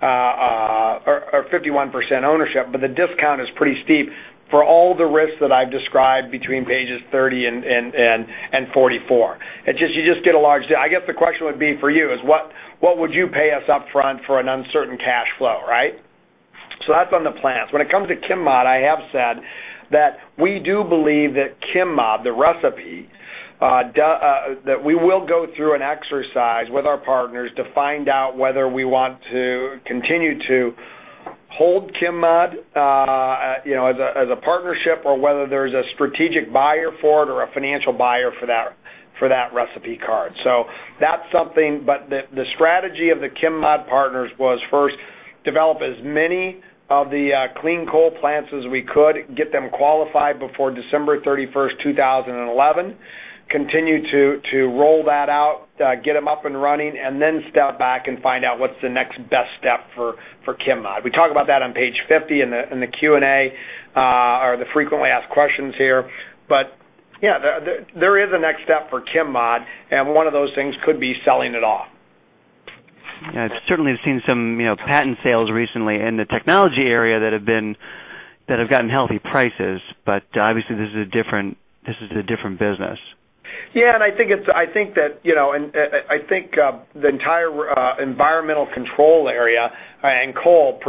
S3: or 51% ownership, but the discount is pretty steep for all the risks that I've described between pages 30 and 44. I guess the question would be for you is, what would you pay us up front for an uncertain cash flow, right? That's on the plants. When it comes to ChemMod, I have said that we do believe that ChemMod, the recipe, that we will go through an exercise with our partners to find out whether we want to continue to hold ChemMod as a partnership or whether there's a strategic buyer for it or a financial buyer for that recipe card. That's something, but the strategy of the ChemMod partners was first develop as many of the clean coal plants as we could, get them qualified before December 31st, 2011, continue to roll that out, get them up and running, and then step back and find out what's the next best step for ChemMod. We talk about that on page 50 in the Q&A, or the frequently asked questions here. Yeah, there is a next step for ChemMod, and one of those things could be selling it off.
S7: Yeah. Certainly seen some patent sales recently in the technology area that have gotten healthy prices, but obviously this is a different business.
S3: Yeah, I think the entire environmental control area and coal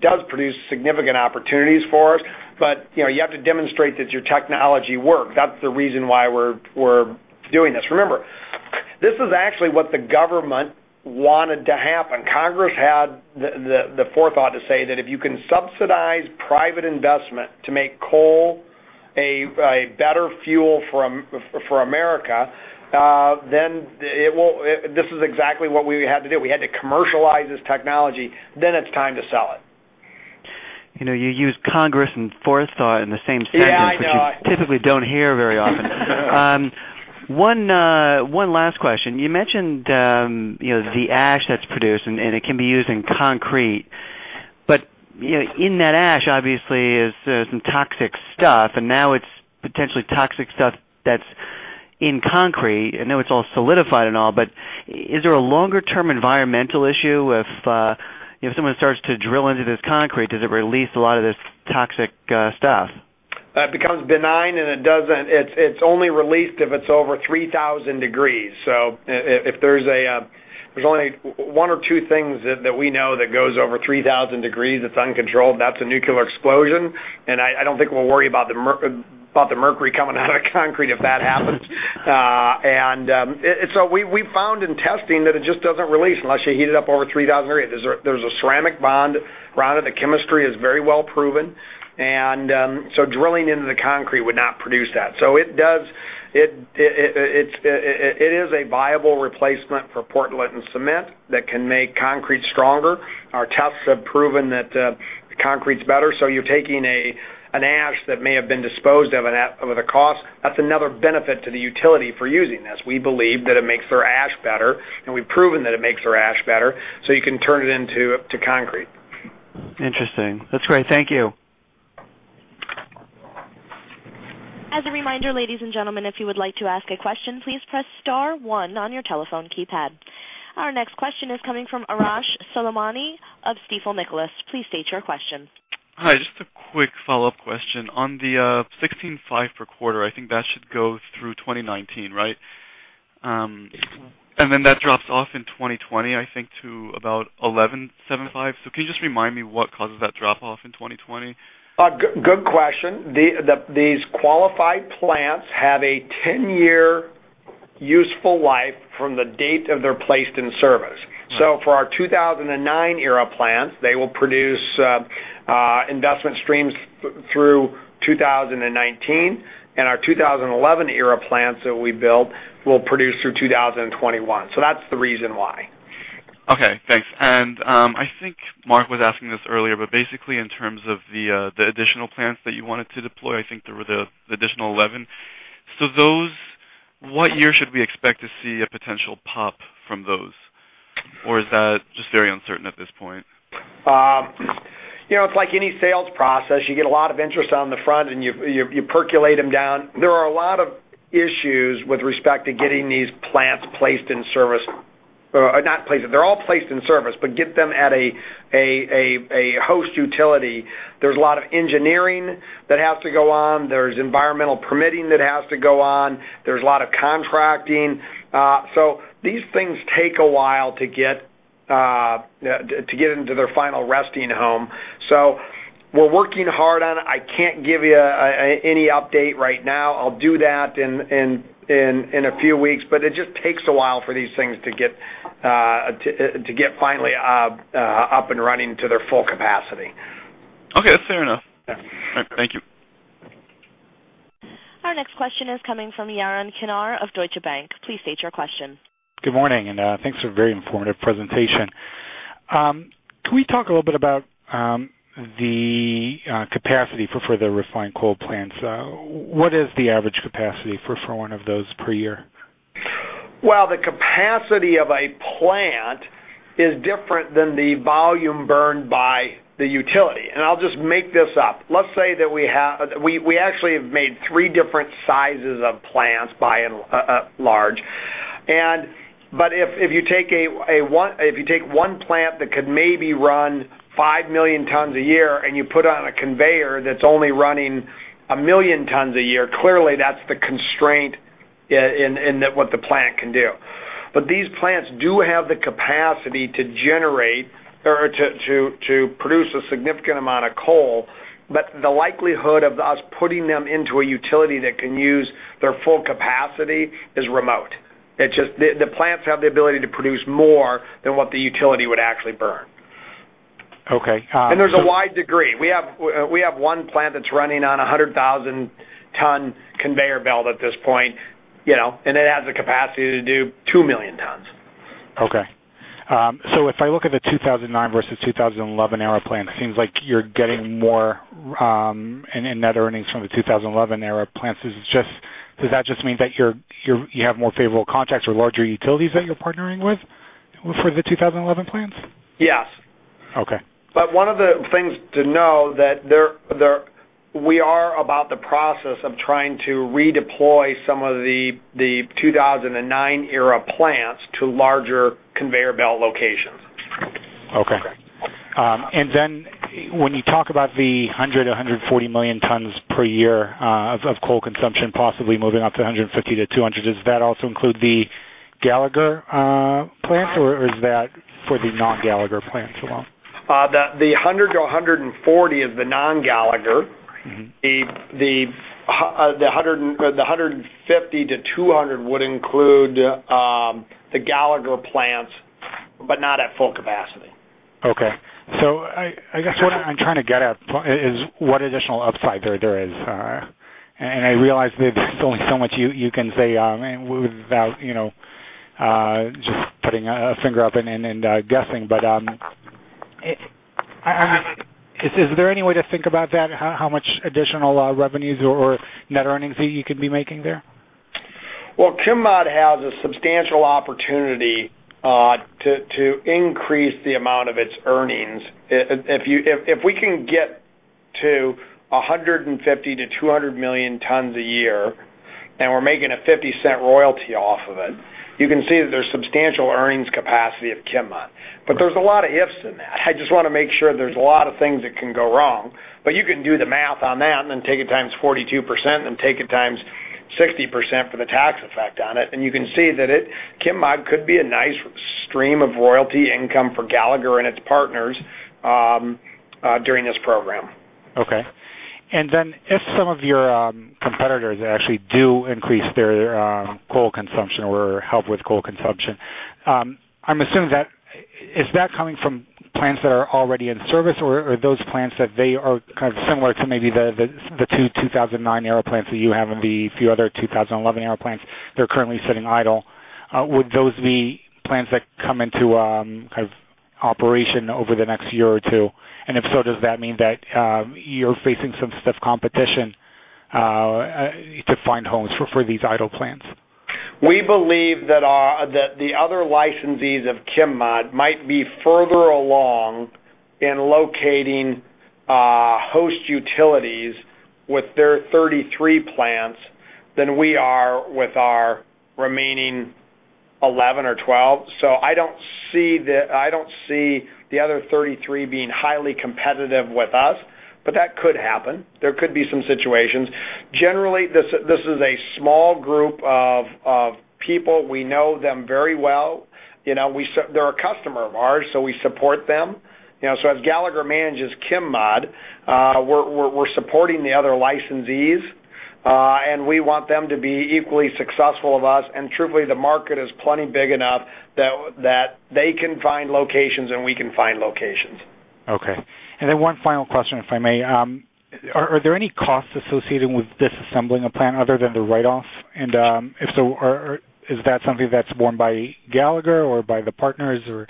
S3: does produce significant opportunities for us, but you have to demonstrate that your technology works. That's the reason why we're doing this. Remember, this is actually what the government wanted to happen. Congress had the forethought to say that if you can subsidize private investment to make coal a better fuel for America, then this is exactly what we had to do. We had to commercialize this technology, then it's time to sell it.
S7: You use Congress and forethought in the same sentence.
S3: Yeah, I know.
S7: which you typically don't hear very often. One last question. You mentioned the ash that's produced, and it can be used in concrete. In that ash, obviously, is some toxic stuff, and now it's potentially toxic stuff that's in concrete. I know it's all solidified and all, is there a longer-term environmental issue if someone starts to drill into this concrete? Does it release a lot of this toxic stuff?
S3: It becomes benign, and it's only released if it's over 3,000 degrees. There's only one or two things that we know that goes over 3,000 degrees that's uncontrolled. That's a nuclear explosion, I don't think we'll worry about the mercury coming out of the concrete if that happens. We found in testing that it just doesn't release unless you heat it up over 3,000 degrees. There's a ceramic bond around it. The chemistry is very well-proven. Drilling into the concrete would not produce that. It is a viable replacement for Portland cement that can make concrete stronger. Our tests have proven that the concrete's better. You're taking an ash that may have been disposed of with a cost. That's another benefit to the utility for using this. We believe that it makes their ash better, and we've proven that it makes their ash better, you can turn it into concrete.
S7: Interesting. That's great. Thank you.
S1: As a reminder, ladies and gentlemen, if you would like to ask a question, please press star one on your telephone keypad. Our next question is coming from Arash Soleimani of Stifel Nicolaus. Please state your question.
S8: Hi. Just a quick follow-up question. On the $16.5 per quarter, I think that should go through 2019, right? That drops off in 2020, I think, to about $11.75. Can you just remind me what causes that drop off in 2020?
S3: Good question. These qualified plants have a 10-year useful life from the date of they're placed in service.
S8: Right.
S3: For our 2009-era plants, they will produce investment streams through 2019, and our 2011-era plants that we built will produce through 2021. That's the reason why.
S8: Okay, thanks. I think Mark was asking this earlier, but basically in terms of the additional plants that you wanted to deploy, I think there were the additional 11. What year should we expect to see a potential pop from those? Or is that just very uncertain at this point?
S3: It's like any sales process. You get a lot of interest on the front, and you percolate them down. There are a lot of issues with respect to getting these plants placed in service. They're all placed in service, but get them at a host utility. There's a lot of engineering that has to go on. There's environmental permitting that has to go on. There's a lot of contracting. These things take a while to get into their final resting home. We're working hard on it. I can't give you any update right now. I'll do that in a few weeks. It just takes a while for these things to get finally up and running to their full capacity.
S8: Okay. That's fair enough.
S3: Yeah.
S8: All right. Thank you.
S1: Our next question is coming from Yaron Kinar of Deutsche Bank. Please state your question.
S9: Good morning. Thanks for a very informative presentation. Can we talk a little bit about the capacity for the refined coal plants? What is the average capacity for one of those per year?
S3: Well, the capacity of a plant is different than the volume burned by the utility. I'll just make this up. Let's say that we actually have made three different sizes of plants by and large. If you take one plant that could maybe run 5 million tons a year, and you put on a conveyor that's only running 1 million tons a year, clearly that's the constraint in what the plant can do. These plants do have the capacity to generate or to produce a significant amount of coal. The likelihood of us putting them into a utility that can use their full capacity is remote. The plants have the ability to produce more than what the utility would actually burn.
S9: Okay.
S3: There's a wide degree. We have one plant that's running on 100,000-ton conveyor belt at this point. It has the capacity to do 2 million tons.
S9: Okay. If I look at the 2009 versus 2011 era plant, it seems like you're getting more in net earnings from the 2011 era plants. Does that just mean that you have more favorable contracts with larger utilities that you're partnering with for the 2011 plants?
S3: Yes.
S9: Okay.
S3: One of the things to know that we are about the process of trying to redeploy some of the 2009 era plants to larger conveyor belt locations.
S9: Okay. When you talk about the 100 to 140 million tons per year of coal consumption, possibly moving up to 150 to 200, does that also include the Gallagher plants, or is that for the non-Gallagher plants alone?
S3: The 100 to 140 is the non-Gallagher. The 150-200 would include the Gallagher plants, but not at full capacity.
S9: Okay. I guess what I'm trying to get at is what additional upside there is. I realize there's only so much you can say without just putting a finger up and guessing. Is there any way to think about that, how much additional revenues or net earnings that you could be making there?
S3: Well, ChemMod has a substantial opportunity to increase the amount of its earnings. If we can get to 150 million-200 million tons a year, and we're making a $0.50 royalty off of it, you can see that there's substantial earnings capacity of ChemMod. There's a lot of ifs in that. I just want to make sure there's a lot of things that can go wrong, you can do the math on that and then take it times 42%, and then take it times 60% for the tax effect on it. You can see that ChemMod could be a nice stream of royalty income for Gallagher and its partners during this program.
S9: Okay. Then if some of your competitors actually do increase their coal consumption or help with coal consumption, I'm assuming that. Is that coming from plants that are already in service, or are those plants that they are kind of similar to maybe the two 2009 era plants that you have and the few other 2011 era plants that are currently sitting idle? Would those be plants that come into operation over the next year or two? If so, does that mean that you're facing some stiff competition to find homes for these idle plants?
S3: We believe that the other licensees of ChemMod might be further along in locating host utilities with their 33 plants than we are with our remaining 11 or 12. I don't see the other 33 being highly competitive with us, but that could happen. There could be some situations. Generally, this is a small group of people. We know them very well. They're a customer of ours, so we support them. As Gallagher manages ChemMod, we're supporting the other licensees. We want them to be equally successful of us, and truthfully, the market is plenty big enough that they can find locations, and we can find locations.
S9: Okay. One final question, if I may. Are there any costs associated with disassembling a plant other than the write-off? If so, is that something that's borne by Gallagher or by the partners, or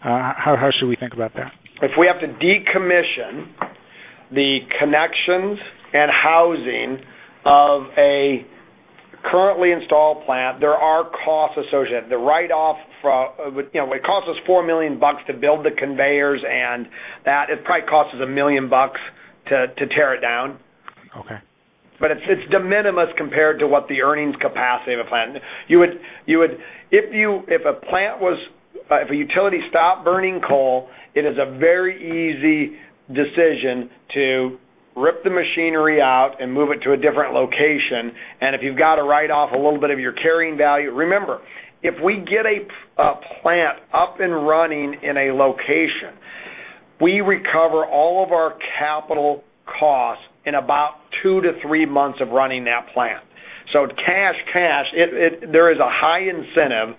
S9: how should we think about that?
S3: If we have to decommission the connections and housing of a currently installed plant, there are costs associated. It costs us $4 million to build the conveyors and that. It probably costs us $1 million to tear it down.
S9: Okay.
S3: It's de minimis compared to what the earnings capacity of a plant. If a utility stopped burning coal, it is a very easy decision to rip the machinery out and move it to a different location. If you've got to write off a little bit of your carrying value. Remember, if we get a plant up and running in a location, we recover all of our capital costs in about two to three months of running that plant. Cash, there is a high incentive.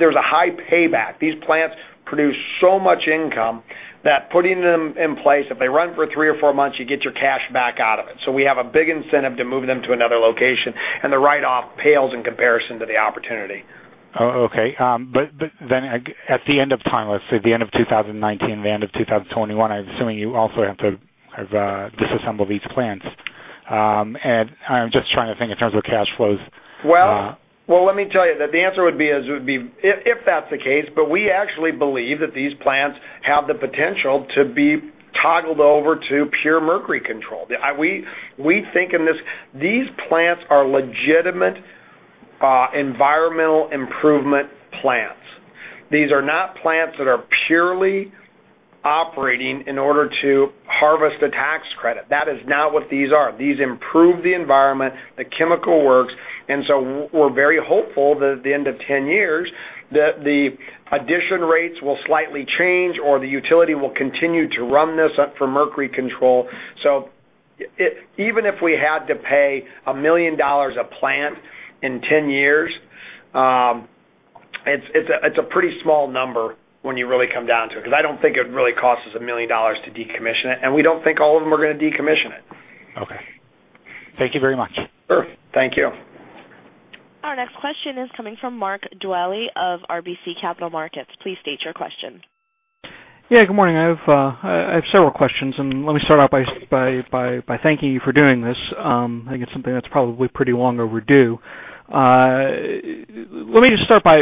S3: There's a high payback. These plants produce so much income that putting them in place, if they run for three or four months, you get your cash back out of it. We have a big incentive to move them to another location, and the write-off pales in comparison to the opportunity.
S9: Oh, okay. At the end of time, let's say the end of 2019, the end of 2021, I'm assuming you also have to disassemble these plants. I'm just trying to think in terms of cash flows.
S3: Well, let me tell you. The answer would be, if that's the case, we actually believe that these plants have the potential to be toggled over to pure mercury control. We think these plants are legitimate environmental improvement plants. These are not plants that are purely operating in order to harvest a tax credit. That is not what these are. These improve the environment, the chemical works, we're very hopeful that at the end of 10 years, that the addition rates will slightly change, or the utility will continue to run this for mercury control. Even if we had to pay $1 million a plant in 10 years, it's a pretty small number when you really come down to it, because I don't think it'd really cost us $1 million to decommission it, and we don't think all of them are going to decommission it.
S9: Okay. Thank you very much.
S3: Sure. Thank you.
S1: Our next question is coming from Mark Dwelle of RBC Capital Markets. Please state your question.
S10: Yeah, good morning. I have several questions. Let me start off by thanking you for doing this. I think it's something that's probably pretty long overdue. Let me just start by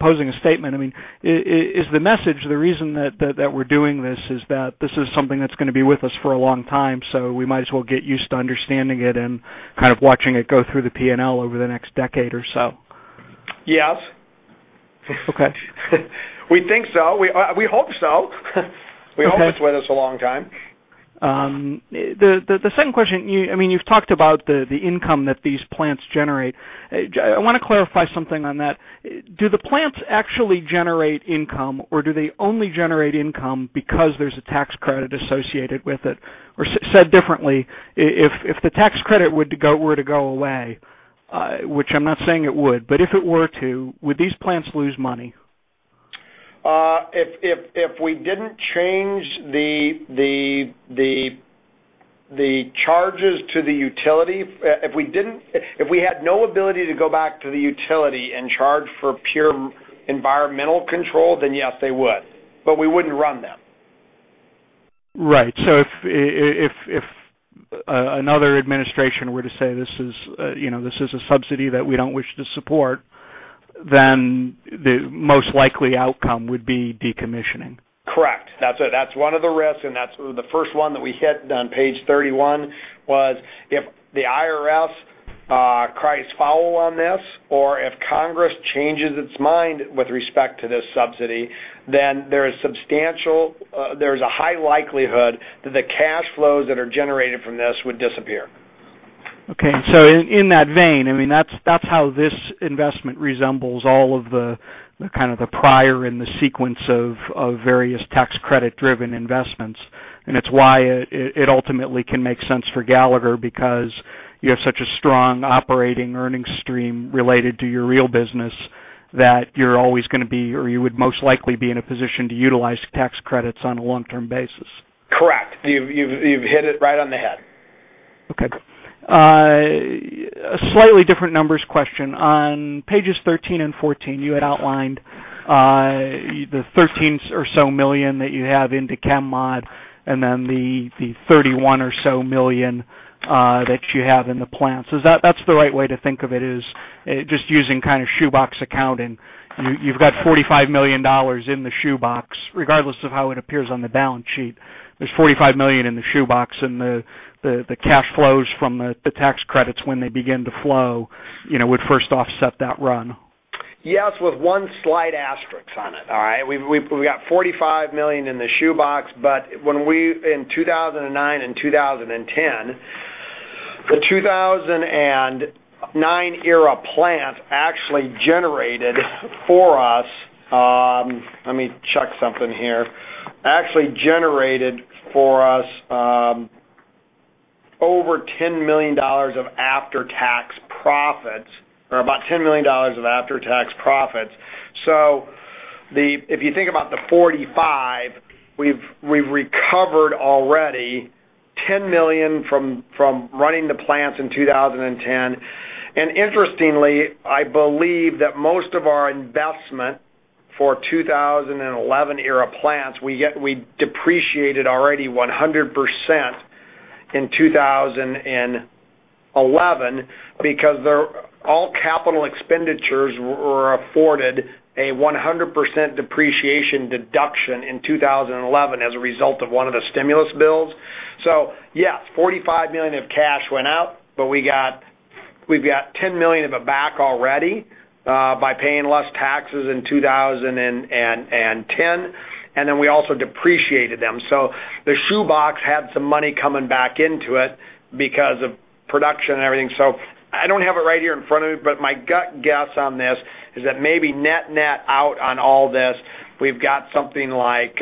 S10: posing a statement. Is the message, the reason that we're doing this is that this is something that's going to be with us for a long time, so we might as well get used to understanding it and kind of watching it go through the P&L over the next decade or so?
S3: Yes.
S10: Okay.
S3: We think so. We hope so.
S10: Okay.
S3: We hope it's with us a long time.
S10: The second question, you've talked about the income that these plants generate. I want to clarify something on that. Do the plants actually generate income, or do they only generate income because there's a tax credit associated with it? Said differently, if the tax credit were to go away, which I'm not saying it would, but if it were to, would these plants lose money?
S3: If we didn't change the charges to the utility, if we had no ability to go back to the utility and charge for pure environmental control, then yes, they would. We wouldn't run them.
S10: Right. If another administration were to say, "This is a subsidy that we don't wish to support," the most likely outcome would be decommissioning.
S3: Correct. That's it. That's one of the risks. That's the first one that we hit on page 31, was if the IRS cries foul on this, or if Congress changes its mind with respect to this subsidy, then there's a high likelihood that the cash flows that are generated from this would disappear.
S10: Okay. In that vein, that's how this investment resembles all of the prior in the sequence of various tax credit-driven investments. It's why it ultimately can make sense for Gallagher, because you have such a strong operating earnings stream related to your real business that you're always going to be, or you would most likely be in a position to utilize tax credits on a long-term basis.
S3: Correct. You've hit it right on the head.
S10: Okay. A slightly different numbers question. On pages 13 and 14, you had outlined the $13 million or so that you have into ChemMod, and then the $31 million or so that you have in the plants. Is that the right way to think of it, is just using kind of shoebox accounting? You've got $45 million in the shoebox, regardless of how it appears on the balance sheet. There's $45 million in the shoebox, and the cash flows from the tax credits when they begin to flow, would first offset that run.
S3: Yes, with one slight asterisk on it. All right? We've got $45 million in the shoebox. In 2009 and 2010, the 2009-era plant actually generated for us over $10 million of after-tax profits, or about $10 million of after-tax profits. If you think about the $45 million, we've recovered already $10 million from running the plants in 2010. Interestingly, I believe that most of our investment for 2011-era plants, we depreciated already 100% in 2011 because all capital expenditures were afforded a 100% depreciation deduction in 2011 as a result of one of the stimulus bills. Yeah, $45 million of cash went out, but we've got $10 million of it back already, by paying less taxes in 2010. We also depreciated them. The shoebox had some money coming back into it because of production and everything. I don't have it right here in front of me, but my gut guess on this is that maybe net-net out on all this, we've got something like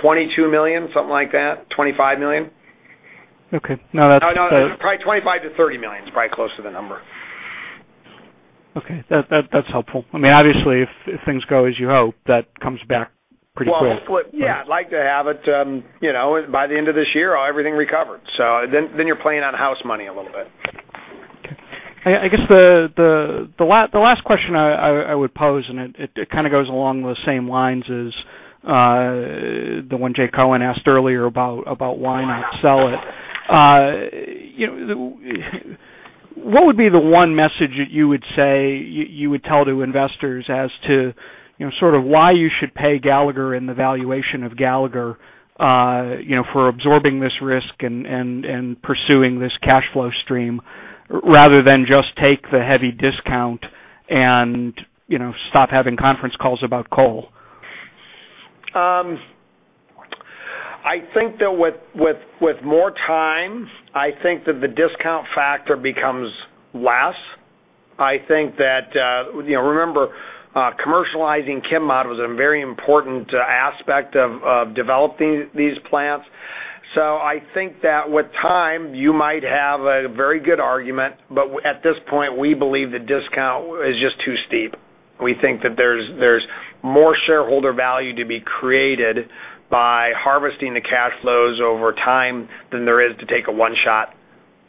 S3: $22 million, something like that, $25 million.
S10: Okay.
S3: Probably $25 million-$30 million is probably closer to the number.
S10: Okay. That's helpful. Obviously, if things go as you hope, that comes back pretty quick.
S3: Yeah, I'd like to have it, by the end of this year, everything recovered. You're playing on house money a little bit.
S10: Okay. I guess the last question I would pose, it kind of goes along those same lines as the one Jay Cohen asked earlier about why not sell it. What would be the one message that you would tell to investors as to sort of why you should pay Gallagher and the valuation of Gallagher for absorbing this risk and pursuing this cash flow stream, rather than just take the heavy discount and stop having conference calls about coal?
S3: I think that with more time, I think that the discount factor becomes less. Remember, commercializing ChemMod was a very important aspect of developing these plants. I think that with time, you might have a very good argument, but at this point, we believe the discount is just too steep. We think that there's more shareholder value to be created by harvesting the cash flows over time than there is to take a one-time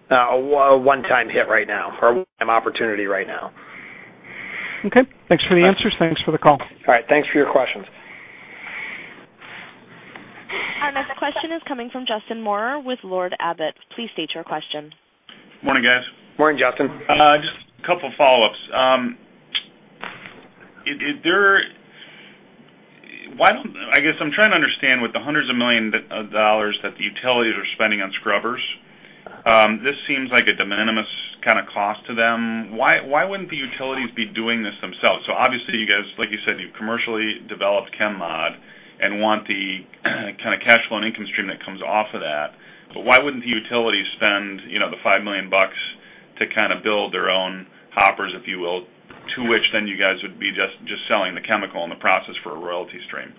S3: hit right now, or one-time opportunity right now.
S10: Okay. Thanks for the answers. Thanks for the call.
S3: All right. Thanks for your questions.
S1: Our next question is coming from Justin Moorer with Lord Abbett. Please state your question.
S11: Morning, guys.
S3: Morning, Justin.
S11: Just a couple follow-ups. I guess I'm trying to understand, with the hundreds of million dollars that the utilities are spending on scrubbers, this seems like a de minimis kind of cost to them. Why wouldn't the utilities be doing this themselves? Obviously, you guys, like you said, you've commercially developed ChemMod and want the kind of cash flow and income stream that comes off of that. Why wouldn't the utilities spend the $5 million bucks to kind of build their own hoppers, if you will, to which then you guys would be just selling the chemical and the process for a royalty stream?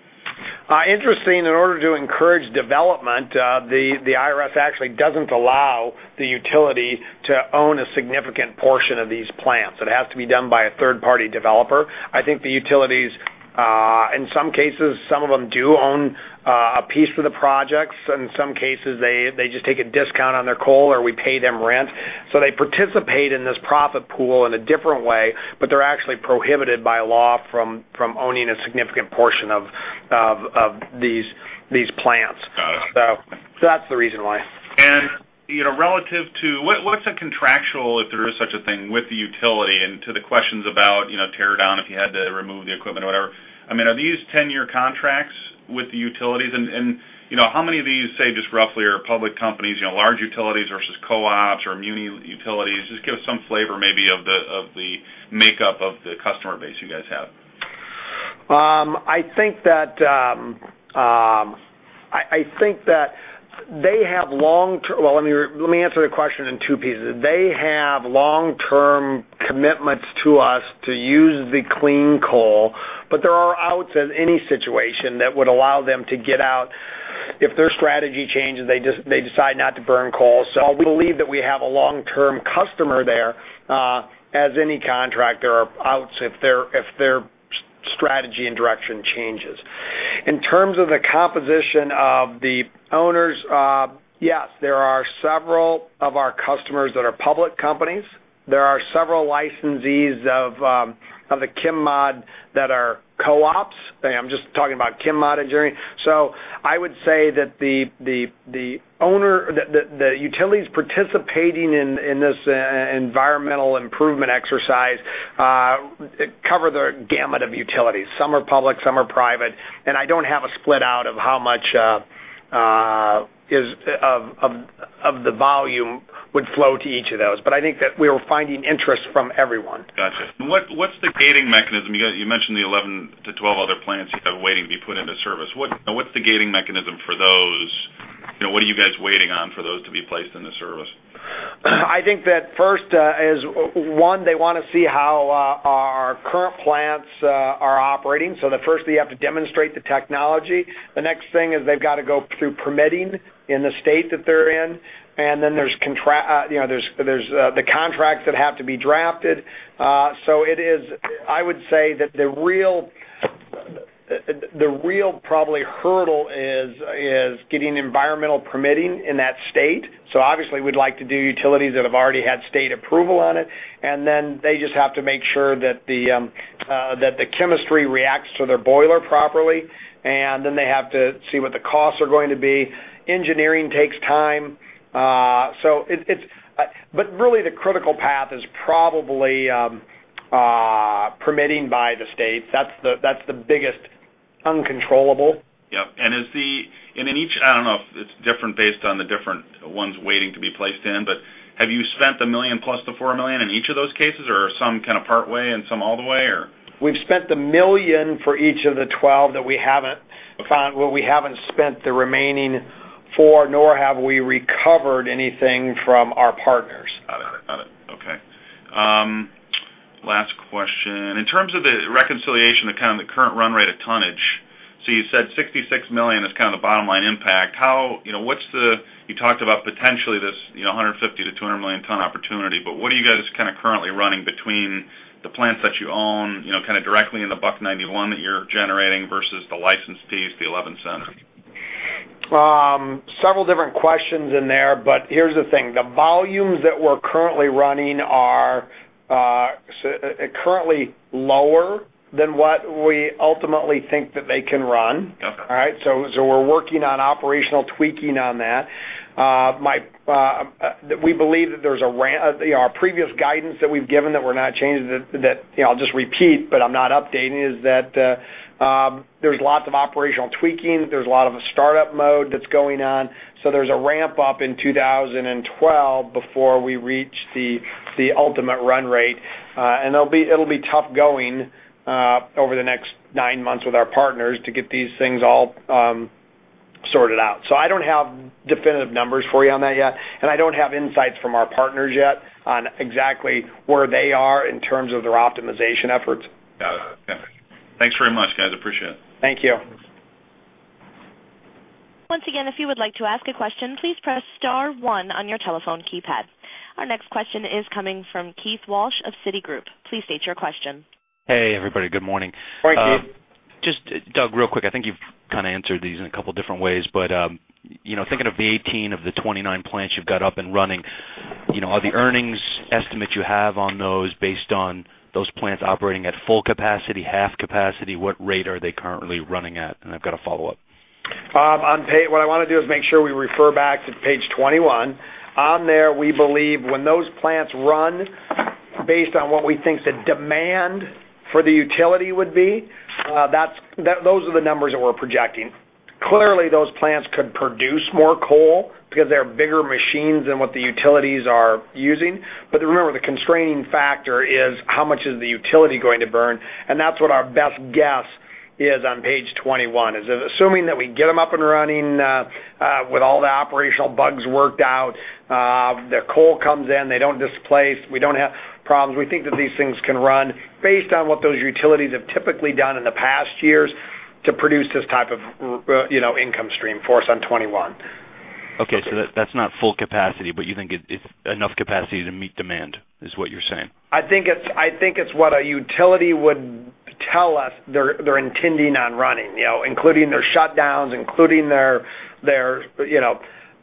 S3: Interesting. In order to encourage development, the IRS actually doesn't allow the utility to own a significant portion of these plants. It has to be done by a third-party developer. I think the utilities, in some cases, some of them do own a piece of the projects. In some cases, they just take a discount on their coal, or we pay them rent. They participate in this profit pool in a different way, but they're actually prohibited by law from owning a significant portion of these plants.
S11: Got it.
S3: That's the reason why.
S11: Relative to what's a contractual, if there is such a thing, with the utility, and to the questions about tear down if you had to remove the equipment or whatever. Are these 10-year contracts with the utilities? How many of these, say, just roughly, are public companies, large utilities versus co-ops or muni utilities? Just give us some flavor, maybe, of the makeup of the customer base you guys have.
S3: I think that Well, let me answer the question in two pieces. They have long-term commitments to us to use the clean coal, but there are outs in any situation that would allow them to get out if their strategy changes, they decide not to burn coal. We believe that we have a long-term customer there. As any contract, there are outs if their strategy and direction changes. In terms of the composition of the owners, yes, there are several of our customers that are public companies. There are several licensees of the ChemMod that are co-ops. I'm just talking about ChemMod engineering. I would say that the utilities participating in this environmental improvement exercise, cover the gamut of utilities. Some are public, some are private, and I don't have a split out of how much of the volume would flow to each of those. I think that we're finding interest from everyone.
S11: Got you. What's the gating mechanism? You mentioned the 11 to 12 other plants you have waiting to be put into service. What's the gating mechanism for those? What are you guys waiting on for those to be placed into service?
S3: I think that first, is one, they want to see how our current plants are operating. The first thing, you have to demonstrate the technology. The next thing is they've got to go through permitting in the state that they're in, and then there's the contracts that have to be drafted. I would say that the real hurdle is getting environmental permitting in that state. Obviously we'd like to do utilities that have already had state approval on it, and then they just have to make sure that the chemistry reacts to their boiler properly, and then they have to see what the costs are going to be. Engineering takes time. Really, the critical path is probably permitting by the state. That's the biggest uncontrollable.
S11: Yep. I don't know if it's different based on the different ones waiting to be placed in, have you spent the $1 million plus the $4 million in each of those cases, or some kind of part way and some all the way or?
S3: We've spent the $1 million for each of the 12 that we haven't spent the remaining $4 million, nor have we recovered anything from our partners.
S11: Got it. Okay. Last question. In terms of the reconciliation to kind of the current run rate of tonnage, you said $66 million is kind of the bottom-line impact. You talked about potentially this 150 million-200 million ton opportunity, what are you guys currently running between the plants that you own, kind of directly in the $1.91 that you're generating versus the license fees, the $0.11?
S3: Several different questions in there, here's the thing. The volumes that we're currently running are currently lower than what we ultimately think that they can run.
S11: Okay.
S3: All right? We're working on operational tweaking on that. Our previous guidance that we've given, that we're not changing, that I'll just repeat, I'm not updating, is that there's lots of operational tweaking. There's a lot of a startup mode that's going on. There's a ramp-up in 2012 before we reach the ultimate run rate. It'll be tough going over the next nine months with our partners to get these things all sorted out. I don't have definitive numbers for you on that yet, and I don't have insights from our partners yet on exactly where they are in terms of their optimization efforts.
S11: Got it. Okay. Thanks very much, guys. Appreciate it.
S3: Thank you.
S1: Once again, if you would like to ask a question, please press star one on your telephone keypad. Our next question is coming from Keith Walsh of Citigroup. Please state your question.
S12: Hey, everybody. Good morning.
S3: Good morning, Keith.
S12: Just, Doug, real quick, I think you've kind of answered these in a couple different ways, thinking of the 18 of the 29 plants you've got up and running, are the earnings estimates you have on those based on those plants operating at full capacity, half capacity? What rate are they currently running at? I've got a follow-up.
S3: What I want to do is make sure we refer back to page 21. On there, we believe when those plants run based on what we think the demand for the utility would be, those are the numbers that we're projecting. Clearly, those plants could produce more coal because they're bigger machines than what the utilities are using. Remember, the constraining factor is how much is the utility going to burn, and that's what our best guess is on page 21, is assuming that we get them up and running, with all the operational bugs worked out, their coal comes in, they don't displace, we don't have problems. We think that these things can run based on what those utilities have typically done in the past years to produce this type of income stream for us on 21.
S12: Okay. That's not full capacity, but you think it's enough capacity to meet demand, is what you're saying?
S3: I think it's what a utility would tell us they're intending on running, including their shutdowns, including their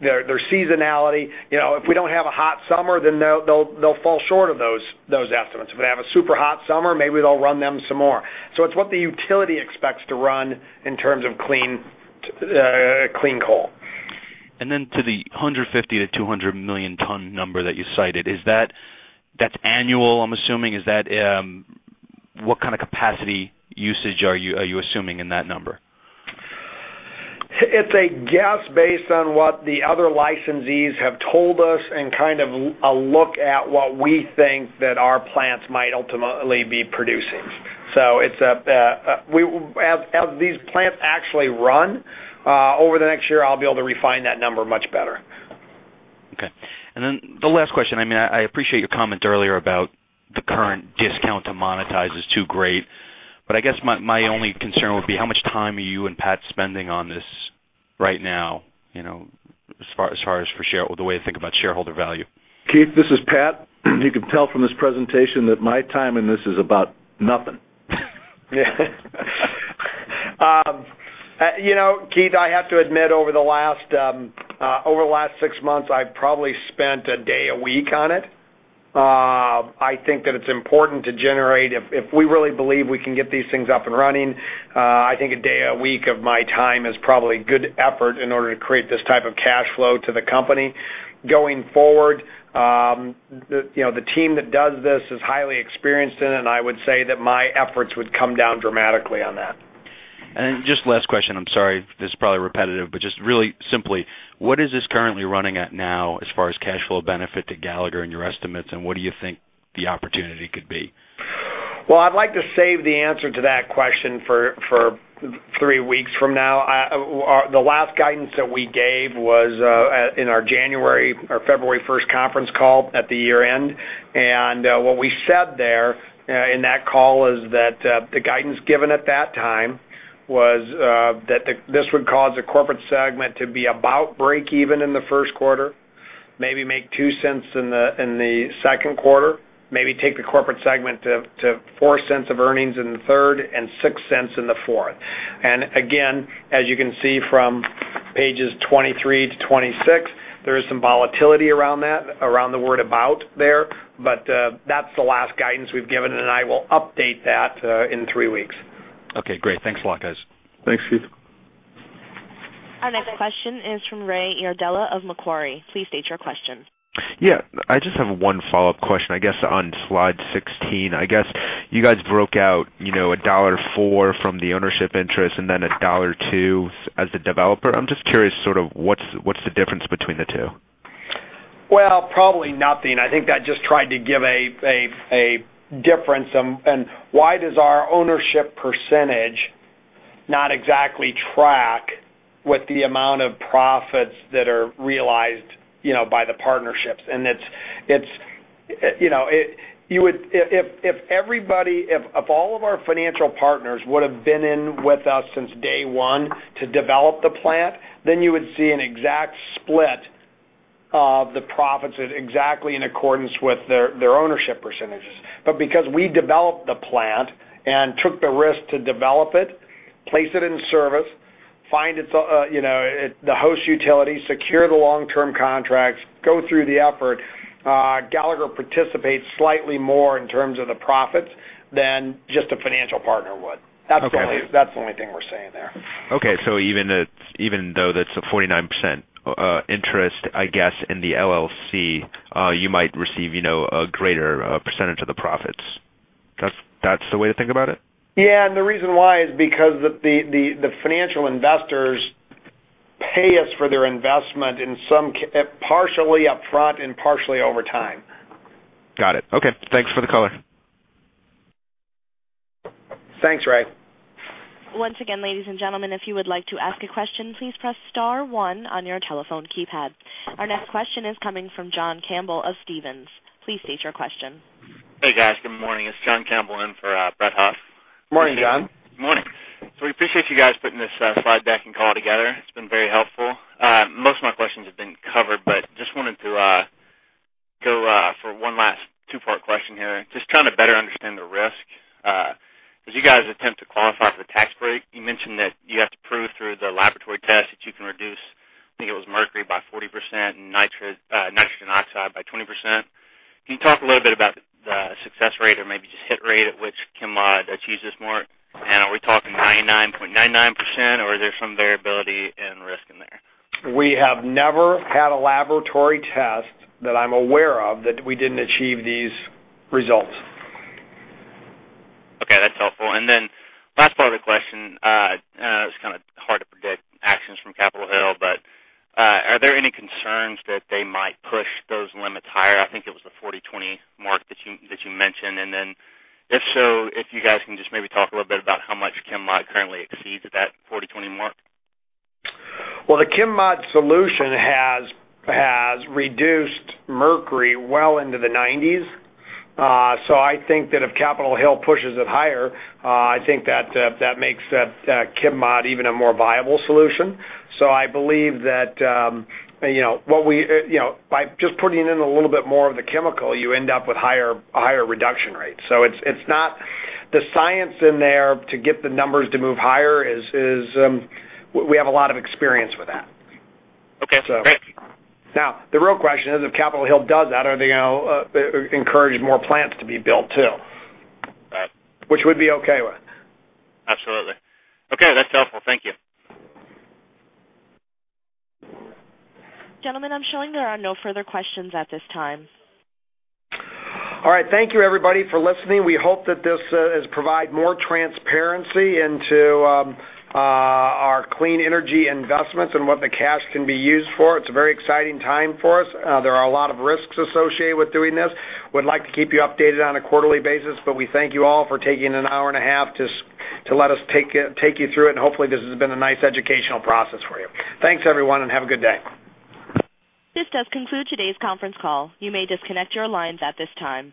S3: seasonality. If we don't have a hot summer, they'll fall short of those estimates. If we have a super hot summer, maybe they'll run them some more. It's what the utility expects to run in terms of clean coal.
S12: To the 150 to 200 million ton number that you cited, that's annual, I'm assuming. What kind of capacity usage are you assuming in that number?
S3: It's a guess based on what the other licensees have told us and kind of a look at what we think that our plants might ultimately be producing. As these plants actually run, over the next year, I'll be able to refine that number much better.
S12: The last question, I appreciate your comment earlier about the current discount to monetize is too great, but I guess my only concern would be how much time are you and Pat spending on this right now, as far as the way to think about shareholder value?
S2: Keith, this is Pat. You can tell from this presentation that my time in this is about nothing.
S3: Keith, I have to admit, over the last six months, I've probably spent a day a week on it. I think that it's important to generate if we really believe we can get these things up and running, I think a day a week of my time is probably good effort in order to create this type of cash flow to the company. Going forward, the team that does this is highly experienced in it, and I would say that my efforts would come down dramatically on that.
S12: Just last question, I'm sorry if this is probably repetitive, but just really simply, what is this currently running at now as far as cash flow benefit to Gallagher in your estimates, and what do you think the opportunity could be?
S3: Well, I'd like to save the answer to that question for three weeks from now. The last guidance that we gave was in our February 1st conference call at the year-end. What we said there in that call is that the guidance given at that time was that this would cause the corporate segment to be about break-even in the first quarter, maybe make $0.02 in the second quarter, maybe take the corporate segment to $0.04 of earnings in the third, and $0.06 in the fourth. Again, as you can see from pages 23-26, there is some volatility around the word about there. That's the last guidance we've given, and I will update that in three weeks.
S12: Okay, great. Thanks a lot, guys.
S2: Thanks, Keith.
S1: Our next question is from Raymond Iardella of Macquarie. Please state your question.
S6: Yeah. I just have one follow-up question. I guess on slide 16, I guess you guys broke out $1.04 from the ownership interest and then $1.02 as the developer. I'm just curious, sort of, what's the difference between the two?
S3: Well, probably nothing. I think that just tried to give a difference and why does our ownership percentage not exactly track with the amount of profits that are realized by the partnerships. If all of our financial partners would've been in with us since day one to develop the plant, then you would see an exact split of the profits exactly in accordance with their ownership percentages. Because we developed the plant and took the risk to develop it, place it in service, find the host utility, secure the long-term contracts, go through the effort, Gallagher participates slightly more in terms of the profits than just a financial partner would.
S6: Okay.
S3: That's the only thing we're saying there.
S6: Okay. Even though that's a 49% interest, I guess, in the LLC, you might receive a greater percentage of the profits. That's the way to think about it?
S3: Yeah, the reason why is because the financial investors pay us for their investment partially upfront and partially over time.
S6: Got it. Okay. Thanks for the color.
S3: Thanks, Ray.
S1: Once again, ladies and gentlemen, if you would like to ask a question, please press star one on your telephone keypad. Our next question is coming from John Campbell of Stephens. Please state your question.
S13: Hey, guys. Good morning. It's John Campbell in for Brett Huff.
S3: Morning, John.
S13: Morning. We appreciate you guys putting this slide deck and call together. It's been very helpful. Most of my questions have been covered, but just wanted to go for one last two-part question here. Just trying to better understand the risk. As you guys attempt to qualify for the tax break, you mentioned that you have to prove through the laboratory test that you can reduce, I think it was mercury by 40% and nitrogen oxide by 20%. Can you talk a little bit about the success rate or maybe just hit rate at which ChemMod achieves this mark? Are we talking 99.99%, or is there some variability in risk in there?
S3: We have never had a laboratory test, that I'm aware of, that we didn't achieve these results.
S13: Okay, that's helpful. Last part of the question, it's kind of hard to predict actions from Capitol Hill, but are there any concerns that they might push those limits higher? I think it was the 40-20 mark that you mentioned. If so, if you guys can just maybe talk a little bit about how much ChemMod currently exceeds that 40-20 mark.
S3: The ChemMod solution has reduced mercury well into the 90s. I think that if Capitol Hill pushes it higher, I think that makes ChemMod even a more viable solution. I believe that by just putting in a little bit more of the chemical, you end up with higher reduction rates. It's not the science in there to get the numbers to move higher is. We have a lot of experience with that.
S13: Okay, great.
S3: Now, the real question is, if Capitol Hill does that, are they going to encourage more plants to be built, too?
S13: Right.
S3: Which we'd be okay with.
S13: Absolutely. Okay, that's helpful. Thank you.
S1: Gentlemen, I'm showing there are no further questions at this time.
S3: All right. Thank you everybody for listening. We hope that this has provide more transparency into our clean energy investments and what the cash can be used for. It's a very exciting time for us. There are a lot of risks associated with doing this. We'd like to keep you updated on a quarterly basis, but we thank you all for taking an hour and a half to let us take you through it, and hopefully this has been a nice educational process for you. Thanks everyone, and have a good day.
S1: This does conclude today's conference call. You may disconnect your lines at this time.